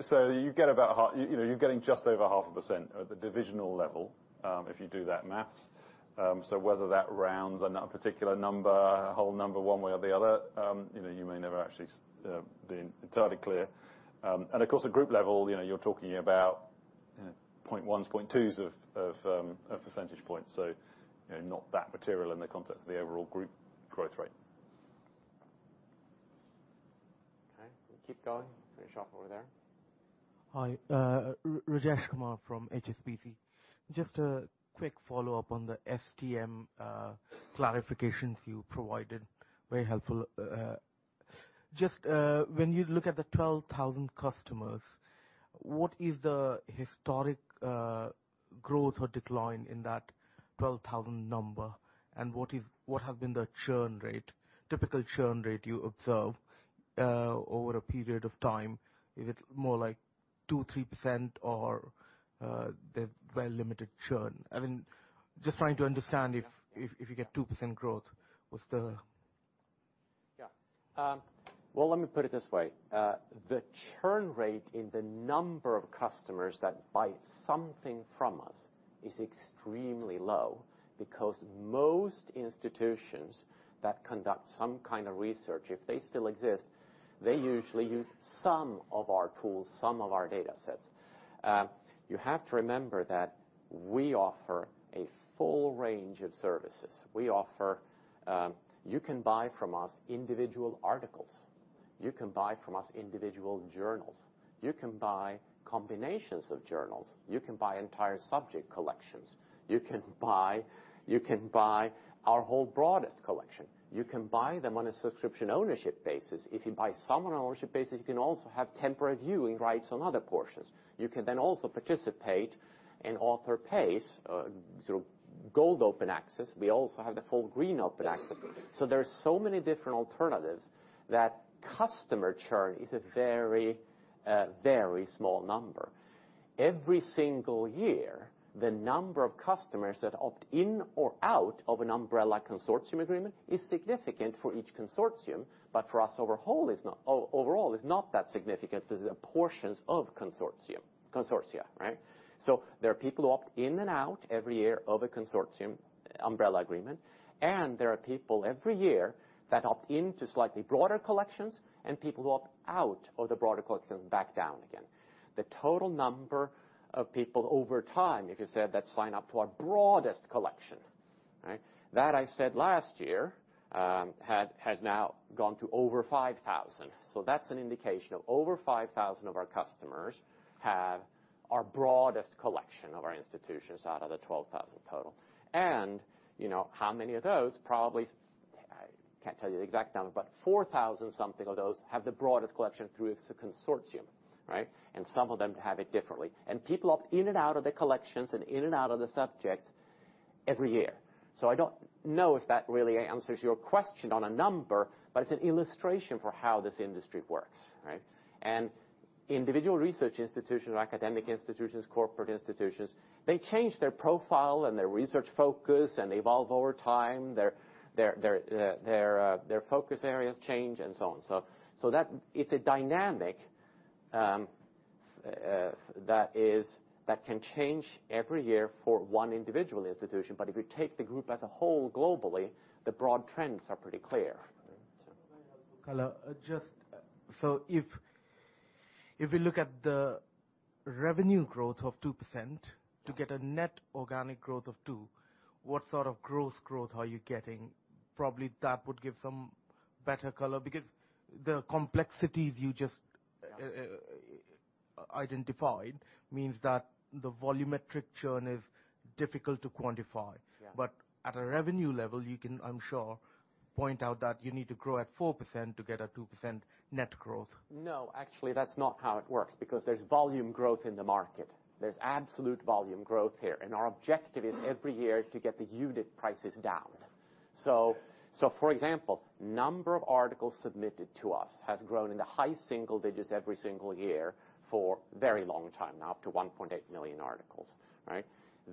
A: You're getting just over half a percent at the divisional level, if you do that math. Whether that rounds on a particular number, a whole number one way or the other, you may never actually be entirely clear. Of course, at group level, you're talking about point ones, point twos of percentage points. Not that material in the context of the overall group growth rate.
B: Okay. We'll keep going. Finish off over there.
F: Hi. Rajesh Kumar from HSBC. Very helpful. When you look at the 12,000 customers, what is the historic growth or decline in that 12,000 number, and what have been the churn rate, typical churn rate you observe over a period of time? Is it more like 2%, 3%, or they've very limited churn? Just trying to understand if you get 2% growth, what's the
B: Well, let me put it this way. The churn rate in the number of customers that buy something from us is extremely low because most institutions that conduct some kind of research, if they still exist, they usually use some of our tools, some of our data sets. You have to remember that we offer a full range of services. You can buy from us individual articles. You can buy from us individual journals. You can buy combinations of journals. You can buy entire subject collections. You can buy our whole broadest collection. You can buy them on a subscription ownership basis. If you buy some on ownership basis, you can also have temporary viewing rights on other portions. You can then also participate in author pays, sort of Gold Open Access. We also have the full Green Open Access. There are so many different alternatives that customer churn is a very small number. Every single year, the number of customers that opt in or out of an umbrella consortium agreement is significant for each consortium, but for us overall, it's not that significant because they are portions of consortia, right? There are people who opt in and out every year of a consortium umbrella agreement, and there are people every year that opt in to slightly broader collections and people who opt out of the broader collections back down again. The total number of people over time, like you said, that sign up to our broadest collection. That I said last year, has now gone to over 5,000. That's an indication of over 5,000 of our customers have our broadest collection of our institutions out of the 12,000 total. And how many of those? Probably, I can't tell you the exact number, but 4,000 something of those have the broadest collection through a consortium, right? Some of them have it differently. People opt in and out of the collections and in and out of the subjects every year. I don't know if that really answers your question on a number, but it's an illustration for how this industry works, right? Individual research institutions or academic institutions, corporate institutions, they change their profile and their research focus, and they evolve over time. Their focus areas change and so on. That it's a dynamic that can change every year for one individual institution. If you take the group as a whole globally, the broad trends are pretty clear.
F: Very helpful color. If we look at the revenue growth of 2% to get a net organic growth of two, what sort of growth are you getting? Probably that would give some better color because the complexities you just identified means that the volumetric churn is difficult to quantify.
B: Yeah.
F: At a revenue level, you can, I'm sure, point out that you need to grow at 4% to get a 2% net growth.
B: No, actually, that's not how it works because there's volume growth in the market. There's absolute volume growth here, and our objective is every year to get the unit prices down. For example, number of articles submitted to us has grown in the high single digits every single year for very long time now, up to 1.8 million articles, right?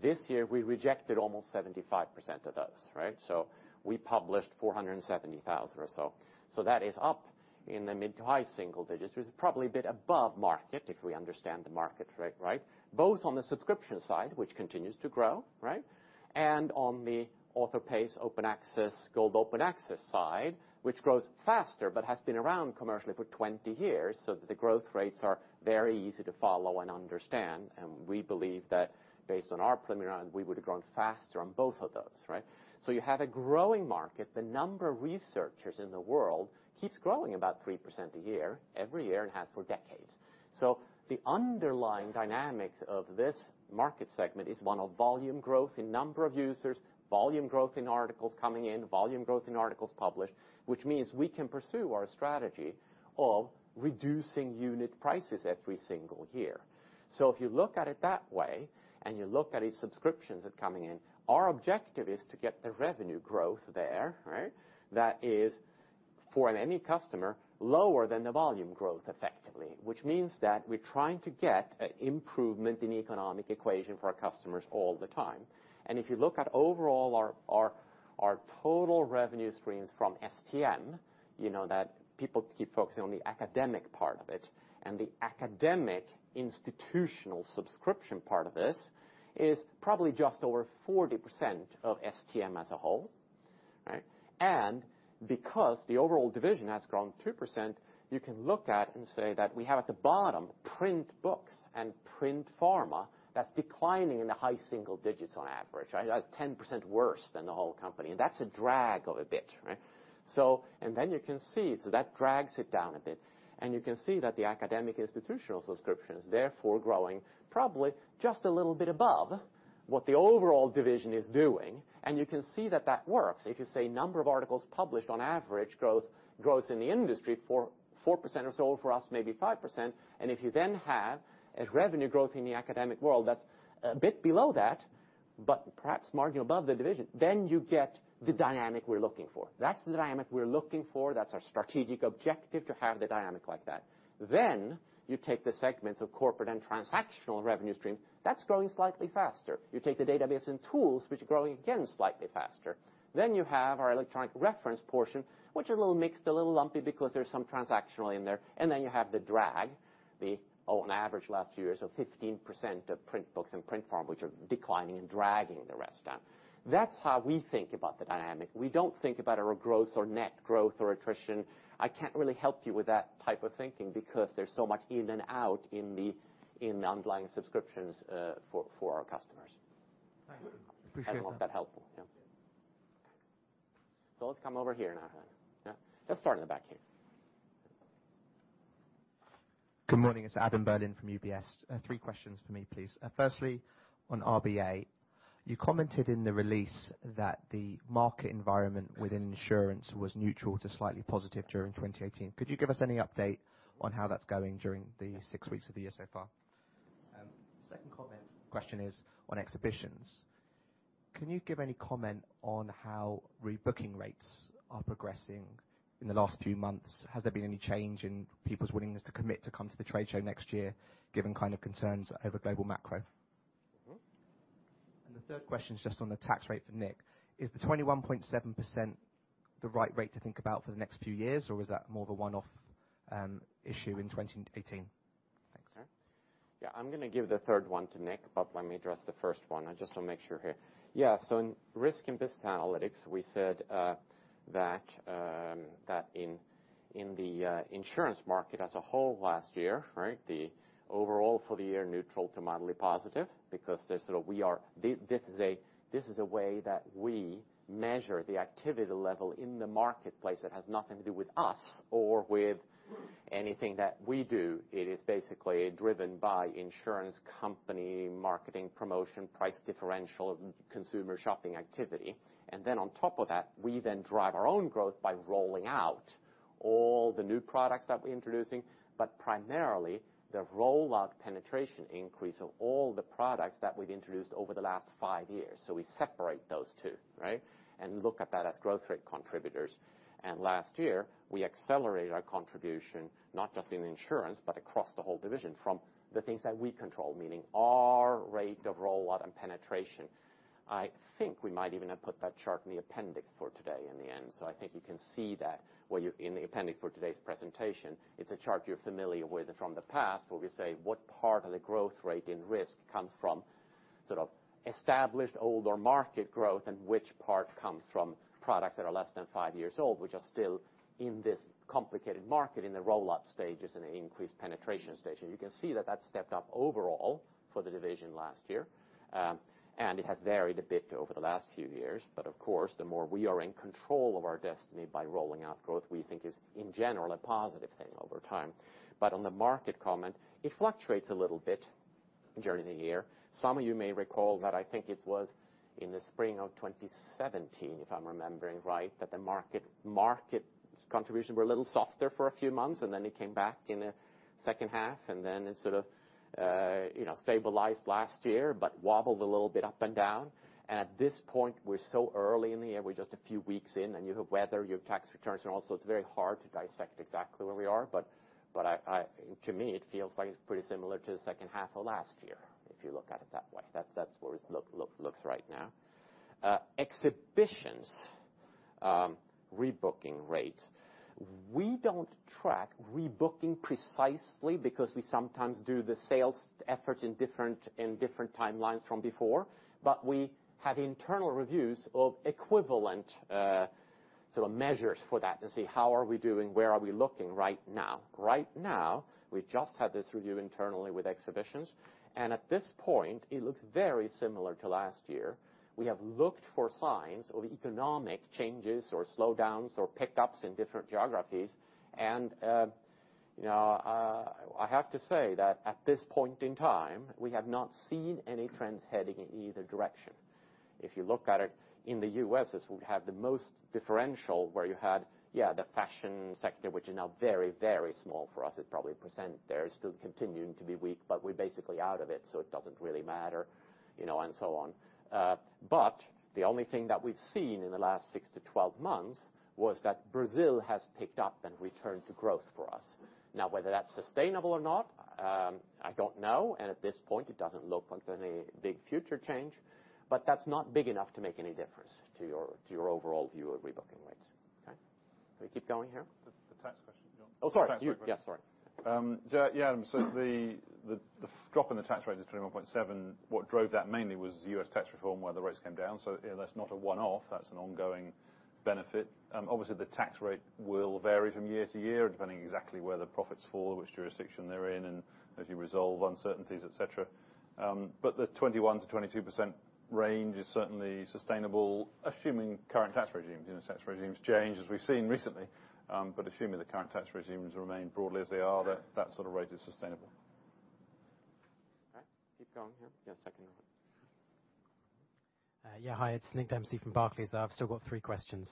B: This year, we rejected almost 75% of those, right? We published 470,000 or so. That is up in the mid to high single digits. It's probably a bit above market, if we understand the market, right? Both on the subscription side, which continues to grow, right, and on the author pays Open Access, Gold Open Access side, which grows faster but has been around commercially for 20 years that the growth rates are very easy to follow and understand. We believe that based on our preliminary, we would have grown faster on both of those, right? You have a growing market. The number of researchers in the world keeps growing about 3% a year every year and has for decades. The underlying dynamics of this market segment is one of volume growth in number of users, volume growth in articles coming in, volume growth in articles published, which means we can pursue our strategy of reducing unit prices every single year. If you look at it that way, and you look at these subscriptions that are coming in, our objective is to get the revenue growth there, right? That is for any customer, lower than the volume growth effectively, which means that we're trying to get improvement in economic equation for our customers all the time. If you look at overall our total revenue streams from STM, you know that people keep focusing on the academic part of it, and the academic institutional subscription part of this is probably just over 40% of STM as a whole, right? Because the overall division has grown 2%, you can look at and say that we have at the bottom print books and print pharma that's declining in the high single digits on average. That's 10% worse than the whole company. That's a drag of a bit, right? You can see, so that drags it down a bit. You can see that the academic institutional subscriptions therefore growing probably just a little bit above what the overall division is doing, and you can see that that works. If you say number of articles published on average grows in the industry 4% or so, for us, maybe 5%. If you then have a revenue growth in the academic world that's a bit below that. But perhaps margin above the division, then you get the dynamic we're looking for. That's the dynamic we're looking for. That's our strategic objective, to have the dynamic like that. You take the segments of corporate and transactional revenue streams. That's growing slightly faster. You take the database and tools, which are growing again slightly faster. You have our electronic reference portion, which are a little mixed, a little lumpy because there's some transactional in there. You have the drag, on average the last few years of 15% of print books and print pharma, which are declining and dragging the rest down. That's how we think about the dynamic. We don't think about our growth or net growth or attrition. I can't really help you with that type of thinking because there's so much in and out in the underlying subscriptions for our customers.
A: Thank you. Appreciate that.
B: I don't know if that helpful. Yeah. Let's come over here now. Yeah, let's start in the back here.
G: Good morning. It's Adam Berlin from UBS. Three questions from me, please. Firstly, on RBA, you commented in the release that the market environment within insurance was neutral to slightly positive during 2018. Could you give us any update on how that's going during the six weeks of the year so far? Second question is on exhibitions. Can you give any comment on how rebooking rates are progressing in the last few months? Has there been any change in people's willingness to commit to come to the trade show next year, given concerns over global macro? The third question is just on the tax rate for Nick. Is the 21.7% the right rate to think about for the next few years, or was that more of a one-off issue in 2018? Thanks.
B: Sure. Yeah, I'm going to give the third one to Nick, but let me address the first one. I just want to make sure here. In Risk and Business Analytics, we said that in the insurance market as a whole last year, the overall for the year neutral to mildly positive because this is a way that we measure the activity level in the marketplace that has nothing to do with us or with anything that we do. It is basically driven by insurance company marketing, promotion, price differential, consumer shopping activity. On top of that, we then drive our own growth by rolling out all the new products that we're introducing, but primarily, the rollout penetration increase of all the products that we've introduced over the last five years. We separate those two, and look at that as growth rate contributors. Last year, we accelerated our contribution, not just in insurance, but across the whole division from the things that we control, meaning our rate of rollout and penetration. I think we might even have put that chart in the appendix for today in the end. I think you can see that in the appendix for today's presentation. It's a chart you're familiar with from the past, where we say what part of the growth rate in risk comes from established older market growth and which part comes from products that are less than five years old, which are still in this complicated market in the rollout stages and increased penetration stages. You can see that that stepped up overall for the division last year. It has varied a bit over the last few years. Of course, the more we are in control of our destiny by rolling out growth, we think is, in general, a positive thing over time. On the market comment, it fluctuates a little bit during the year. Some of you may recall that I think it was in the spring of 2017, if I'm remembering right, that the market's contribution were a little softer for a few months, then it came back in the second half, then it sort of stabilized last year, but wobbled a little bit up and down. At this point, we're so early in the year, we're just a few weeks in, and you have weather, you have tax returns, and also it's very hard to dissect exactly where we are. To me, it feels like it's pretty similar to the second half of last year, if you look at it that way. That's what it looks right now. Exhibitions, rebooking rates. We don't track rebooking precisely because we sometimes do the sales efforts in different timelines from before, but we have internal reviews of equivalent measures for that to see how are we doing, where are we looking right now. Right now, we just had this review internally with Exhibitions, and at this point, it looks very similar to last year. We have looked for signs of economic changes or slowdowns or pick-ups in different geographies, I have to say that at this point in time, we have not seen any trends heading in either direction. If you look at it in the U.S., as we have the most differential where you had, yeah, the fashion sector, which is now very small for us, it's probably 1% there. It's still continuing to be weak, but we're basically out of it, so it doesn't really matter, and so on. The only thing that we've seen in the last 6-12 months was that Brazil has picked up and returned to growth for us. Now, whether that's sustainable or not, I don't know, at this point, it doesn't look like there any big future change. That's not big enough to make any difference to your overall view of rebooking rates. Okay? Can we keep going here?
A: The tax question, John.
B: Oh, sorry.
A: Tax question.
B: Yes. Sorry.
A: Yeah. The drop in the tax rate is 21.7%. What drove that mainly was U.S. Tax Reform, where the rates came down. That's not a one-off, that's an ongoing benefit. Obviously, the tax rate will vary from year to year, depending exactly where the profits fall, which jurisdiction they're in, and as you resolve uncertainties, et cetera. The 21%-22% range is certainly sustainable, assuming current tax regimes. Tax regimes change, as we've seen recently. Assuming the current tax regimes remain broadly as they are-
B: Sure
A: that sort of rate is sustainable.
B: All right. Let's keep going here. Yeah, second row.
H: Yeah. Hi, it's Nick Dempsey from Barclays. I've still got three questions.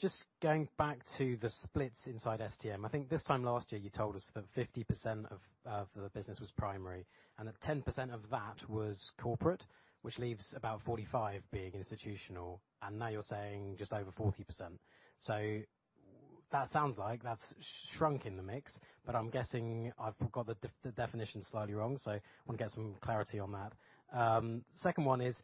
H: Just going back to the splits inside STM, I think this time last year you told us that 50% of the business was primary and that 10% of that was corporate, which leaves about 45% being institutional, and now you're saying just over 40%. That sounds like that's shrunk in the mix, I'm guessing I've got the definition slightly wrong. I want to get some clarity on that. Second one is,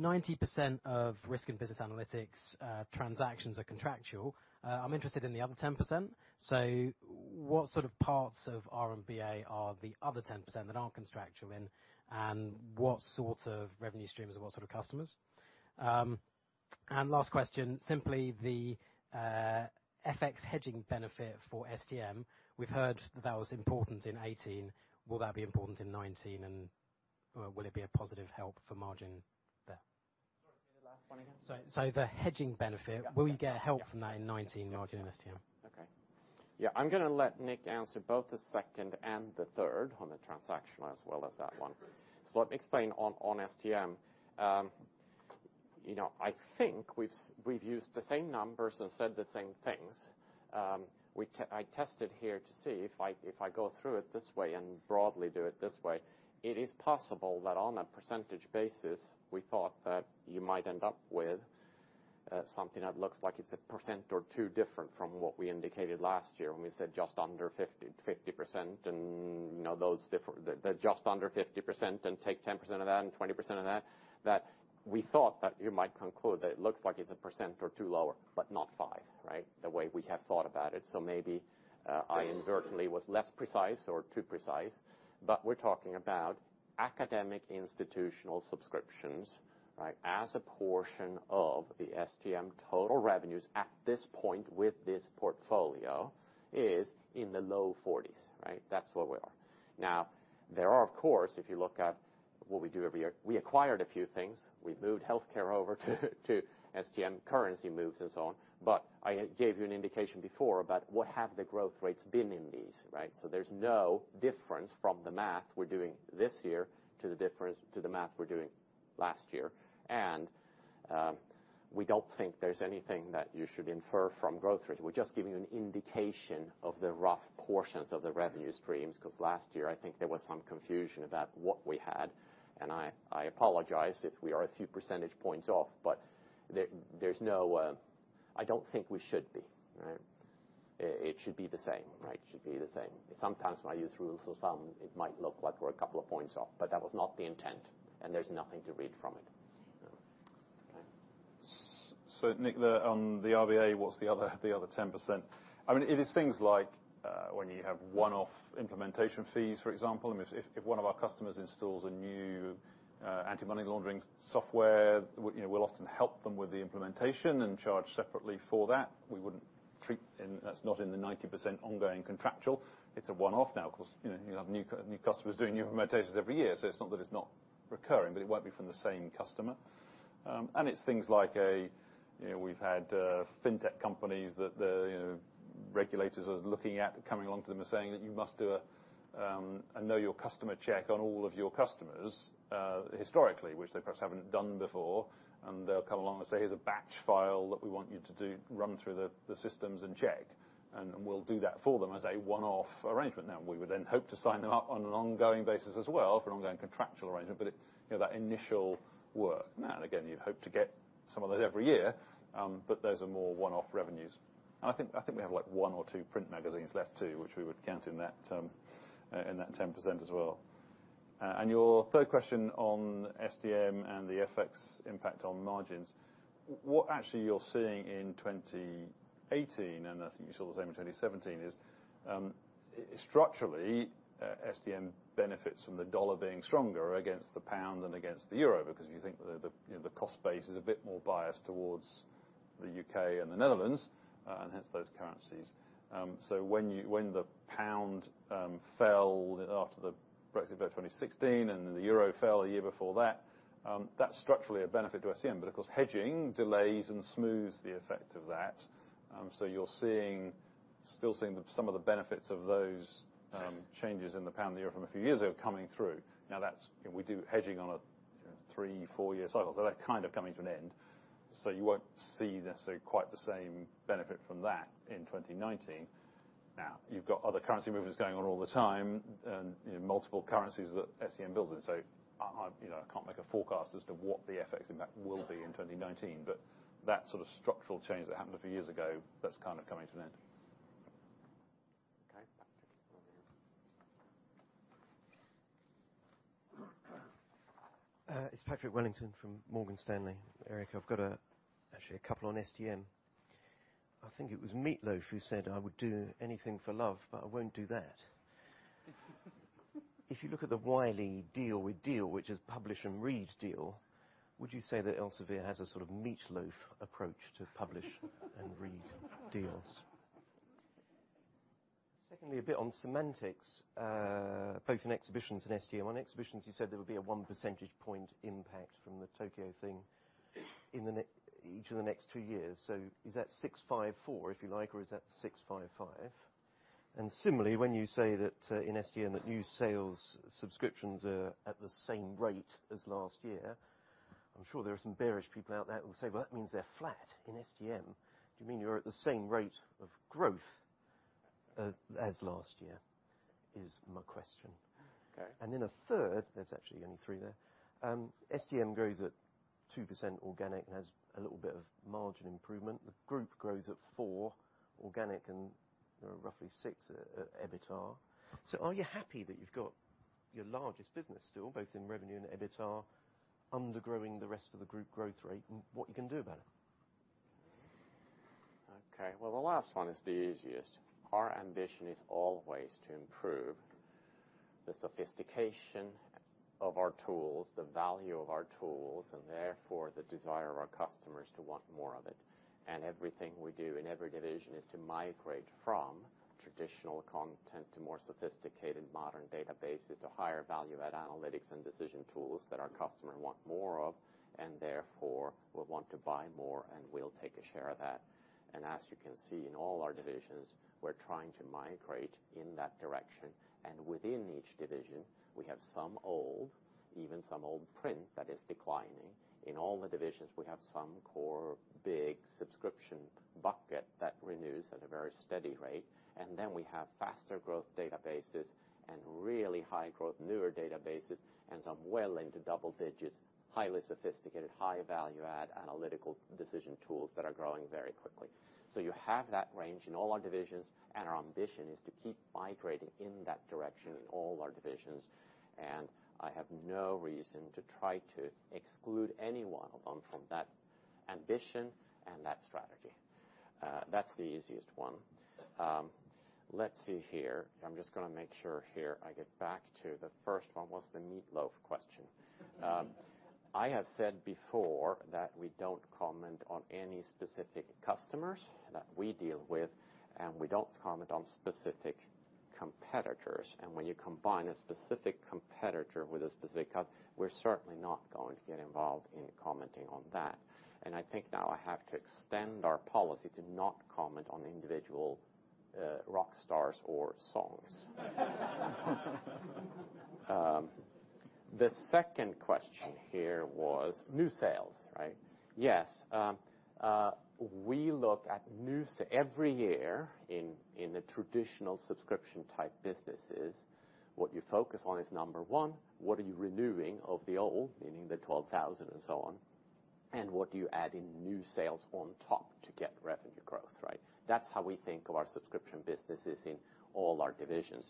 H: 90% of Risk & Business Analytics transactions are contractual. I'm interested in the other 10%. What sort of parts of RBA are the other 10% that aren't contractual in, and what sort of revenue streams or what sort of customers? Last question, simply the FX hedging benefit for STM. We've heard that was important in 2018. Will that be important in 2019 and will it be a positive help for margin there?
B: Sorry, say the last one again.
H: The hedging benefit.
B: Yeah.
H: Will we get help from that in 2019 margin STM?
B: Okay. Yeah, I'm going to let Nick answer both the second and the third on the transaction as well as that one. Let me explain on STM. I think we've used the same numbers and said the same things. I tested here to see if I go through it this way and broadly do it this way, it is possible that on a percentage basis we thought that you might end up with something that looks like it's a % or two different from what we indicated last year when we said just under 50%. The just under 50% and take 10% of that and 20% of that we thought that you might conclude that it looks like it's a % or two lower, but not five. Right? The way we have thought about it. Maybe I inadvertently was less precise or too precise, but we're talking about academic institutional subscriptions, right, as a portion of the STM total revenues at this point with this portfolio is in the low 40s, right? That's where we are. Now, there are, of course, if you look at what we do every year, we acquired a few things. We moved healthcare over to STM, currency moves and so on. I gave you an indication before about what have the growth rates been in these, right? There's no difference from the math we're doing this year to the math we're doing last year. We don't think there's anything that you should infer from growth rates. We're just giving you an indication of the rough portions of the revenue streams, because last year I think there was some confusion about what we had, and I apologize if we are a few percentage points off, but I don't think we should be, right? It should be the same, right? It should be the same. Sometimes when I use rules of thumb, it might look like we're a couple of points off, but that was not the intent, and there's nothing to read from it. Okay?
A: Nick, on the RBA, what's the other 10%? It is things like when you have one-off implementation fees, for example. If one of our customers installs a new anti-money laundering software, we'll often help them with the implementation and charge separately for that. That's not in the 90% ongoing contractual. It's a one-off now. Of course, you have new customers doing new implementations every year. It's not that it's not recurring, but it won't be from the same customer. It's things like we've had fintech companies that the regulators are looking at, coming along to them and saying that you must do a Know Your Customer check on all of your customers, historically, which they perhaps haven't done before, and they'll come along and say, "Here's a batch file that we want you to run through the systems and check." We'll do that for them as a one-off arrangement. We would then hope to sign them up on an ongoing basis as well for an ongoing contractual arrangement, but that initial work. Again, you'd hope to get some of those every year, but those are more one-off revenues. I think we have one or two print magazines left too, which we would count in that 10% as well. Your third question on STM and the FX impact on margins. What actually you're seeing in 2018, and I think you saw the same in 2017, is structurally, STM benefits from the dollar being stronger against the pound and against the euro because you think the cost base is a bit more biased towards the U.K. and the Netherlands, and hence those currencies. When the pound fell after the Brexit vote 2016 and the euro fell a year before that's structurally a benefit to STM. Of course, hedging delays and smooths the effect of that. You're still seeing some of the benefits of those changes in the pound and the euro from a few years ago coming through. We do hedging on a three, four-year cycle. They're kind of coming to an end. You won't see necessarily quite the same benefit from that in 2019. You've got other currency movements going on all the time and multiple currencies that STM bills in. I can't make a forecast as to what the FX impact will be in 2019. That sort of structural change that happened a few years ago, that's kind of coming to an end.
B: Okay. Patrick Wellington.
I: It's Patrick Wellington from Morgan Stanley. Erik, I've got actually a couple on STM. I think it was Meat Loaf who said, "I would do anything for love, but I won't do that." If you look at the Wiley deal with DEAL, which is Publish and Read deal, would you say that Elsevier has a sort of Meat Loaf approach to Publish and Read deals? Secondly, a bit on semantics, both in Exhibitions and STM. On Exhibitions, you said there will be a one percentage point impact from the Tokyo thing each of the next two years. Is that 654, if you like, or is that 655? Similarly, when you say that in STM that new sales subscriptions are at the same rate as last year, I'm sure there are some bearish people out there who will say, "Well, that means they're flat in STM." Do you mean you're at the same rate of growth as last year, is my question.
B: Okay.
I: Then a third, there's actually only three there. STM grows at 2% organic and has a little bit of margin improvement. The group grows at 4% organic, and roughly 6% EBITDA. Are you happy that you've got your largest business still, both in revenue and EBITDA, under-growing the rest of the group growth rate, and what you can do about it?
B: Okay. Well, the last one is the easiest. Our ambition is always to improve the sophistication of our tools, the value of our tools, and therefore, the desire of our customers to want more of it. Everything we do in every division is to migrate from traditional content to more sophisticated modern databases to higher value-add analytics and decision tools that our customer want more of, and therefore, will want to buy more, and we'll take a share of that. As you can see in all our divisions, we're trying to migrate in that direction. Within each division, we have some old, even some old print that is declining. In all the divisions, we have some core, big subscription bucket that renews at a very steady rate. We have faster growth databases and really high growth newer databases and some well into double digits, highly sophisticated, high value-add analytical decision tools that are growing very quickly. You have that range in all our divisions, and our ambition is to keep migrating in that direction in all our divisions. I have no reason to try to exclude any one of them from that ambition and that strategy. That's the easiest one.
I: Okay.
B: Let's see here. I'm just going to make sure here I get back to the first one, was the Meat Loaf question. I have said before that we don't comment on any specific customers that we deal with, and we don't comment on specific competitors. When you combine a specific competitor with a specific customer, we're certainly not going to get involved in commenting on that. I think now I have to extend our policy to not comment on individual rock stars or songs. The second question here was new sales, right? Yes. Every year in the traditional subscription-type businesses, what you focus on is, number one, what are you renewing of the old, meaning the 12,000 and so on, and what do you add in new sales on top to get revenue growth, right? That's how we think of our subscription businesses in all our divisions.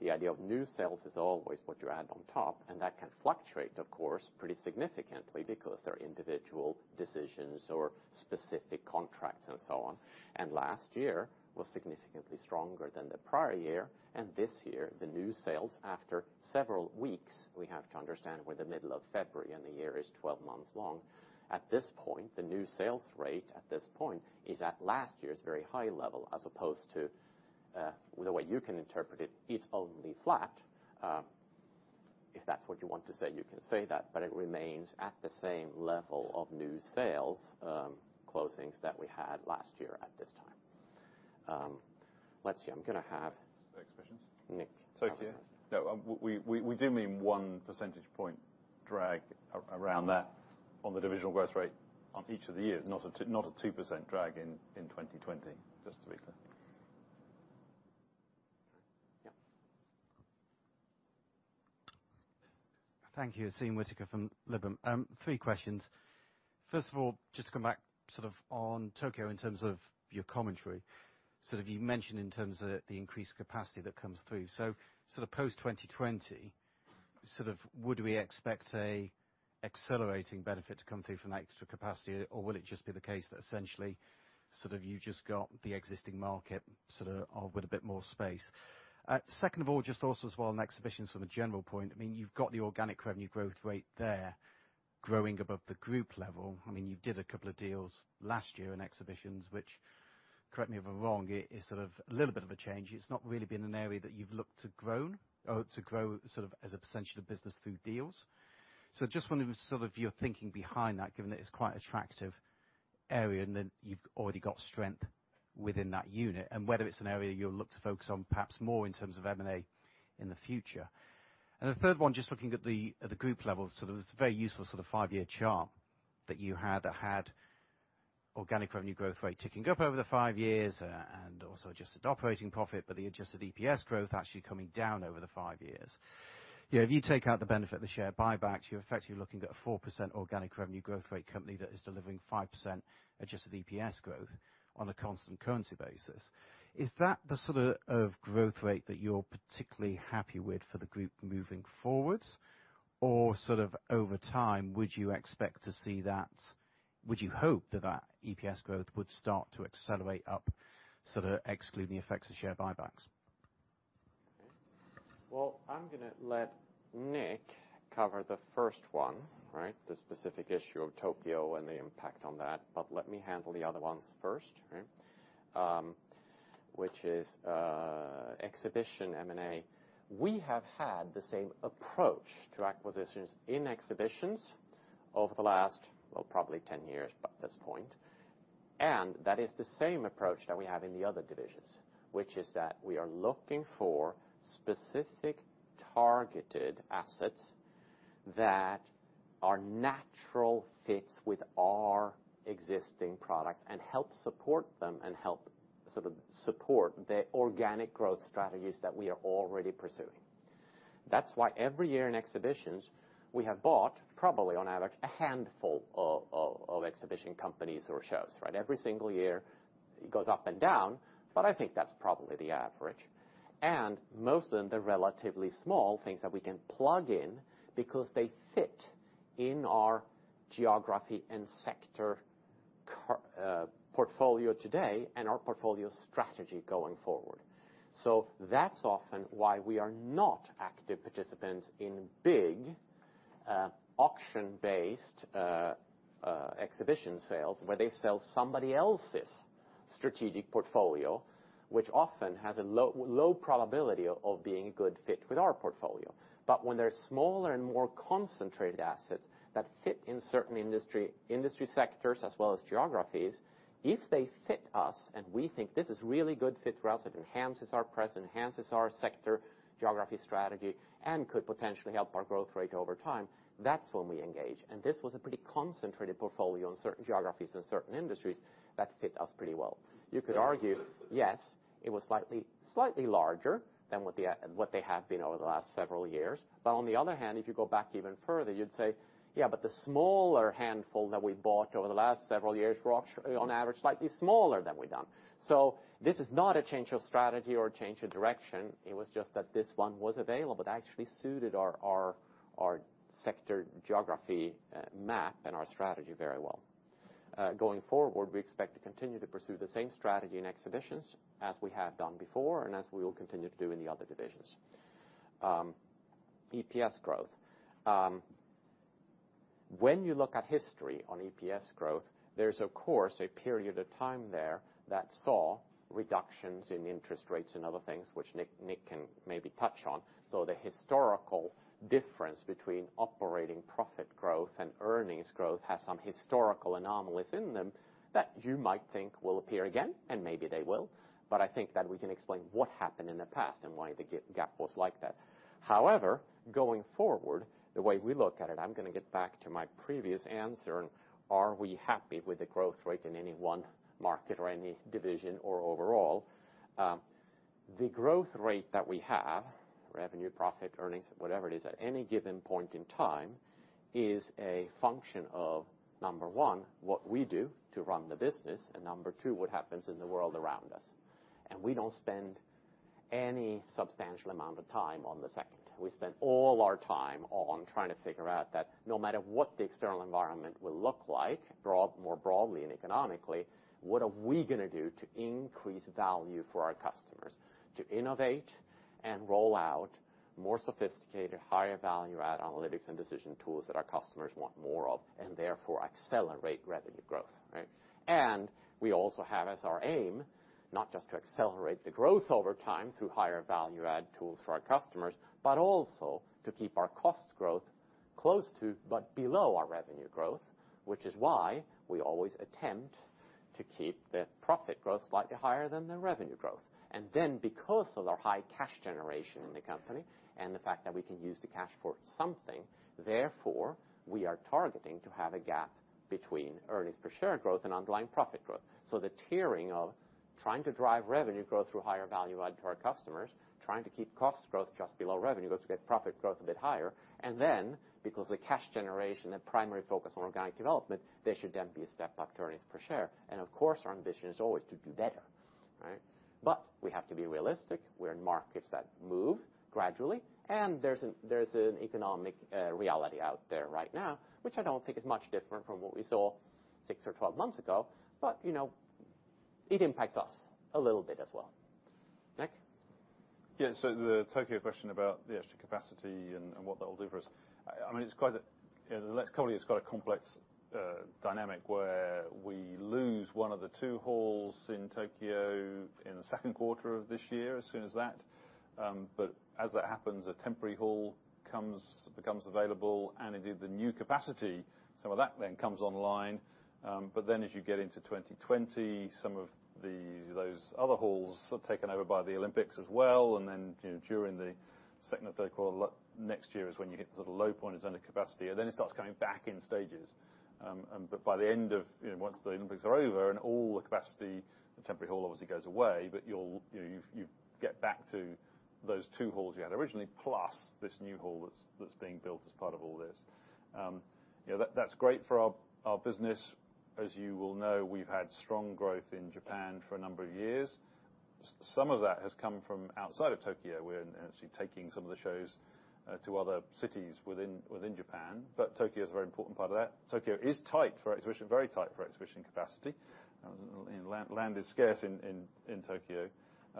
B: The idea of new sales is always what you add on top, and that can fluctuate, of course, pretty significantly because they're individual decisions or specific contracts and so on. Last year was significantly stronger than the prior year. This year, the new sales after several weeks, we have to understand we're the middle of February and the year is 12 months long. At this point, the new sales rate at this point is at last year's very high level, as opposed to, the way you can interpret it's only flat. If that's what you want to say, you can say that, but it remains at the same level of new sales closings that we had last year at this time. Let's see. I'm going to have-
I: Exhibitions.
B: Nick cover that.
I: Tokyo. No, we do mean one percentage point drag around that on the divisional growth rate on each of the years. Not a 2% drag in 2020. Just to be clear.
B: Yeah.
J: Thank you. Asim Whitaker from Liberum. Three questions. First of all, just to come back on Tokyo in terms of your commentary. You mentioned in terms of the increased capacity that comes through. Post-2020, would we expect a accelerating benefit to come through from that extra capacity, or will it just be the case that essentially, you just got the existing market with a bit more space? Second of all, just also as well on exhibitions from a general point. You've got the organic revenue growth rate there growing above the group level. You did a couple of deals last year in exhibitions which, correct me if I'm wrong, is a little bit of a change. It's not really been an area that you've looked to grow as a % of business through deals. Just wondering your thinking behind that, given that it's quite attractive area, and then you've already got strength within that unit. Whether it's an area you'll look to focus on perhaps more in terms of M&A in the future. The third one, just looking at the group level. It was a very useful five-year chart that you had that had organic revenue growth rate ticking up over the five years and also adjusted operating profit, but the adjusted EPS growth actually coming down over the five years. If you take out the benefit of the share buybacks, you're effectively looking at a 4% organic revenue growth rate company that is delivering 5% adjusted EPS growth on a constant currency basis. Is that the sort of growth rate that you're particularly happy with for the group moving forwards? Over time, would you hope that that EPS growth would start to accelerate up excluding the effects of share buybacks?
B: Well, I'm going to let Nick cover the first one. The specific issue of Tokyo and the impact on that. Let me handle the other ones first. Which is exhibition M&A. We have had the same approach to acquisitions in exhibitions over the last, well, probably 10 years at this point. That is the same approach that we have in the other divisions, which is that we are looking for specific targeted assets that are natural fits with our existing products and help support them, and help sort of support the organic growth strategies that we are already pursuing. That's why every year in exhibitions, we have bought probably on average, a handful of exhibition companies or shows, right? Every single year it goes up and down, I think that's probably the average. Most of them, they're relatively small things that we can plug in because they fit in our geography and sector portfolio today, and our portfolio strategy going forward. That's often why we are not active participants in big, auction-based exhibition sales where they sell somebody else's strategic portfolio, which often has a low probability of being a good fit with our portfolio. When they're smaller and more concentrated assets that fit in certain industry sectors as well as geographies, if they fit us and we think this is really good fit for us, it enhances our presence, enhances our sector geography strategy, and could potentially help our growth rate over time, that's when we engage. This was a pretty concentrated portfolio in certain geographies and certain industries that fit us pretty well. You could argue, yes, it was slightly larger than what they have been over the last several years. On the other hand, if you go back even further, you'd say, yeah, the smaller handful that we bought over the last several years were on average, slightly smaller than we've done. This is not a change of strategy or a change of direction. It was just that this one was available that actually suited our sector geography map and our strategy very well. Going forward, we expect to continue to pursue the same strategy in exhibitions as we have done before and as we will continue to do in the other divisions. EPS growth. When you look at history on EPS growth, there's of course, a period of time there that saw reductions in interest rates and other things, which Nick can maybe touch on. The historical difference between operating profit growth and earnings growth has some historical anomalies in them that you might think will appear again, and maybe they will. I think that we can explain what happened in the past and why the gap was like that. However, going forward, the way we look at it, I'm going to get back to my previous answer and are we happy with the growth rate in any one market or any division or overall? The growth rate that we have, revenue, profit, earnings, whatever it is at any given point in time, is a function of, number 1, what we do to run the business, and number 2, what happens in the world around us. We don't spend any substantial amount of time on the second. We spend all our time on trying to figure out that no matter what the external environment will look like, more broadly and economically, what are we going to do to increase value for our customers? To innovate and roll out more sophisticated, higher value-add analytics and decision tools that our customers want more of, and therefore accelerate revenue growth, right? We also have as our aim, not just to accelerate the growth over time through higher value-add tools for our customers, but also to keep our cost growth close to, but below our revenue growth, which is why we always attempt to keep the profit growth slightly higher than the revenue growth. Because of the high cash generation in the company and the fact that we can use the cash for something, therefore, we are targeting to have a gap between earnings per share growth and underlying profit growth. The tiering of trying to drive revenue growth through higher value-add to our customers, trying to keep costs growth just below revenue growth to get profit growth a bit higher. Because the cash generation, the primary focus on organic development, there should then be a step up to earnings per share. Of course, our ambition is always to do better, right? We have to be realistic. We're in markets that move gradually. There's an economic reality out there right now, which I don't think is much different from what we saw six or 12 months ago. It impacts us a little bit as well. Nick?
A: Yeah. The Tokyo question about the extra capacity and what that will do for us. I mean, RELX company has got a complex dynamic where we lose one of the two halls in Tokyo in the second quarter of this year, as soon as that. As that happens, a temporary hall becomes available and indeed the new capacity, some of that then comes online. As you get into 2020, some of those other halls are taken over by the Olympics as well. During the second or third quarter next year is when you hit the sort of low point is under capacity. It starts coming back in stages. By the end of, once the Olympics are over and all the capacity, the temporary hall obviously goes away. You get back to those two halls you had originally, plus this new hall that's being built as part of all this. That's great for our business. As you will know, we've had strong growth in Japan for a number of years. Some of that has come from outside of Tokyo. We're actually taking some of the shows to other cities within Japan. Tokyo is a very important part of that. Tokyo is tight for exhibition, very tight for exhibition capacity. Land is scarce in Tokyo.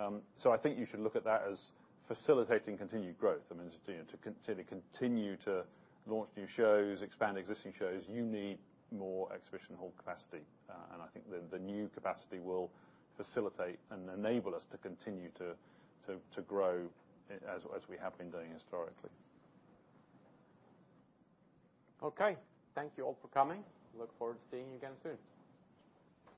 A: I think you should look at that as facilitating continued growth. I mean, to continue to launch new shows, expand existing shows, you need more exhibition hall capacity. I think the new capacity will facilitate and enable us to continue to grow as we have been doing historically.
B: Okay. Thank you all for coming. Look forward to seeing you again soon.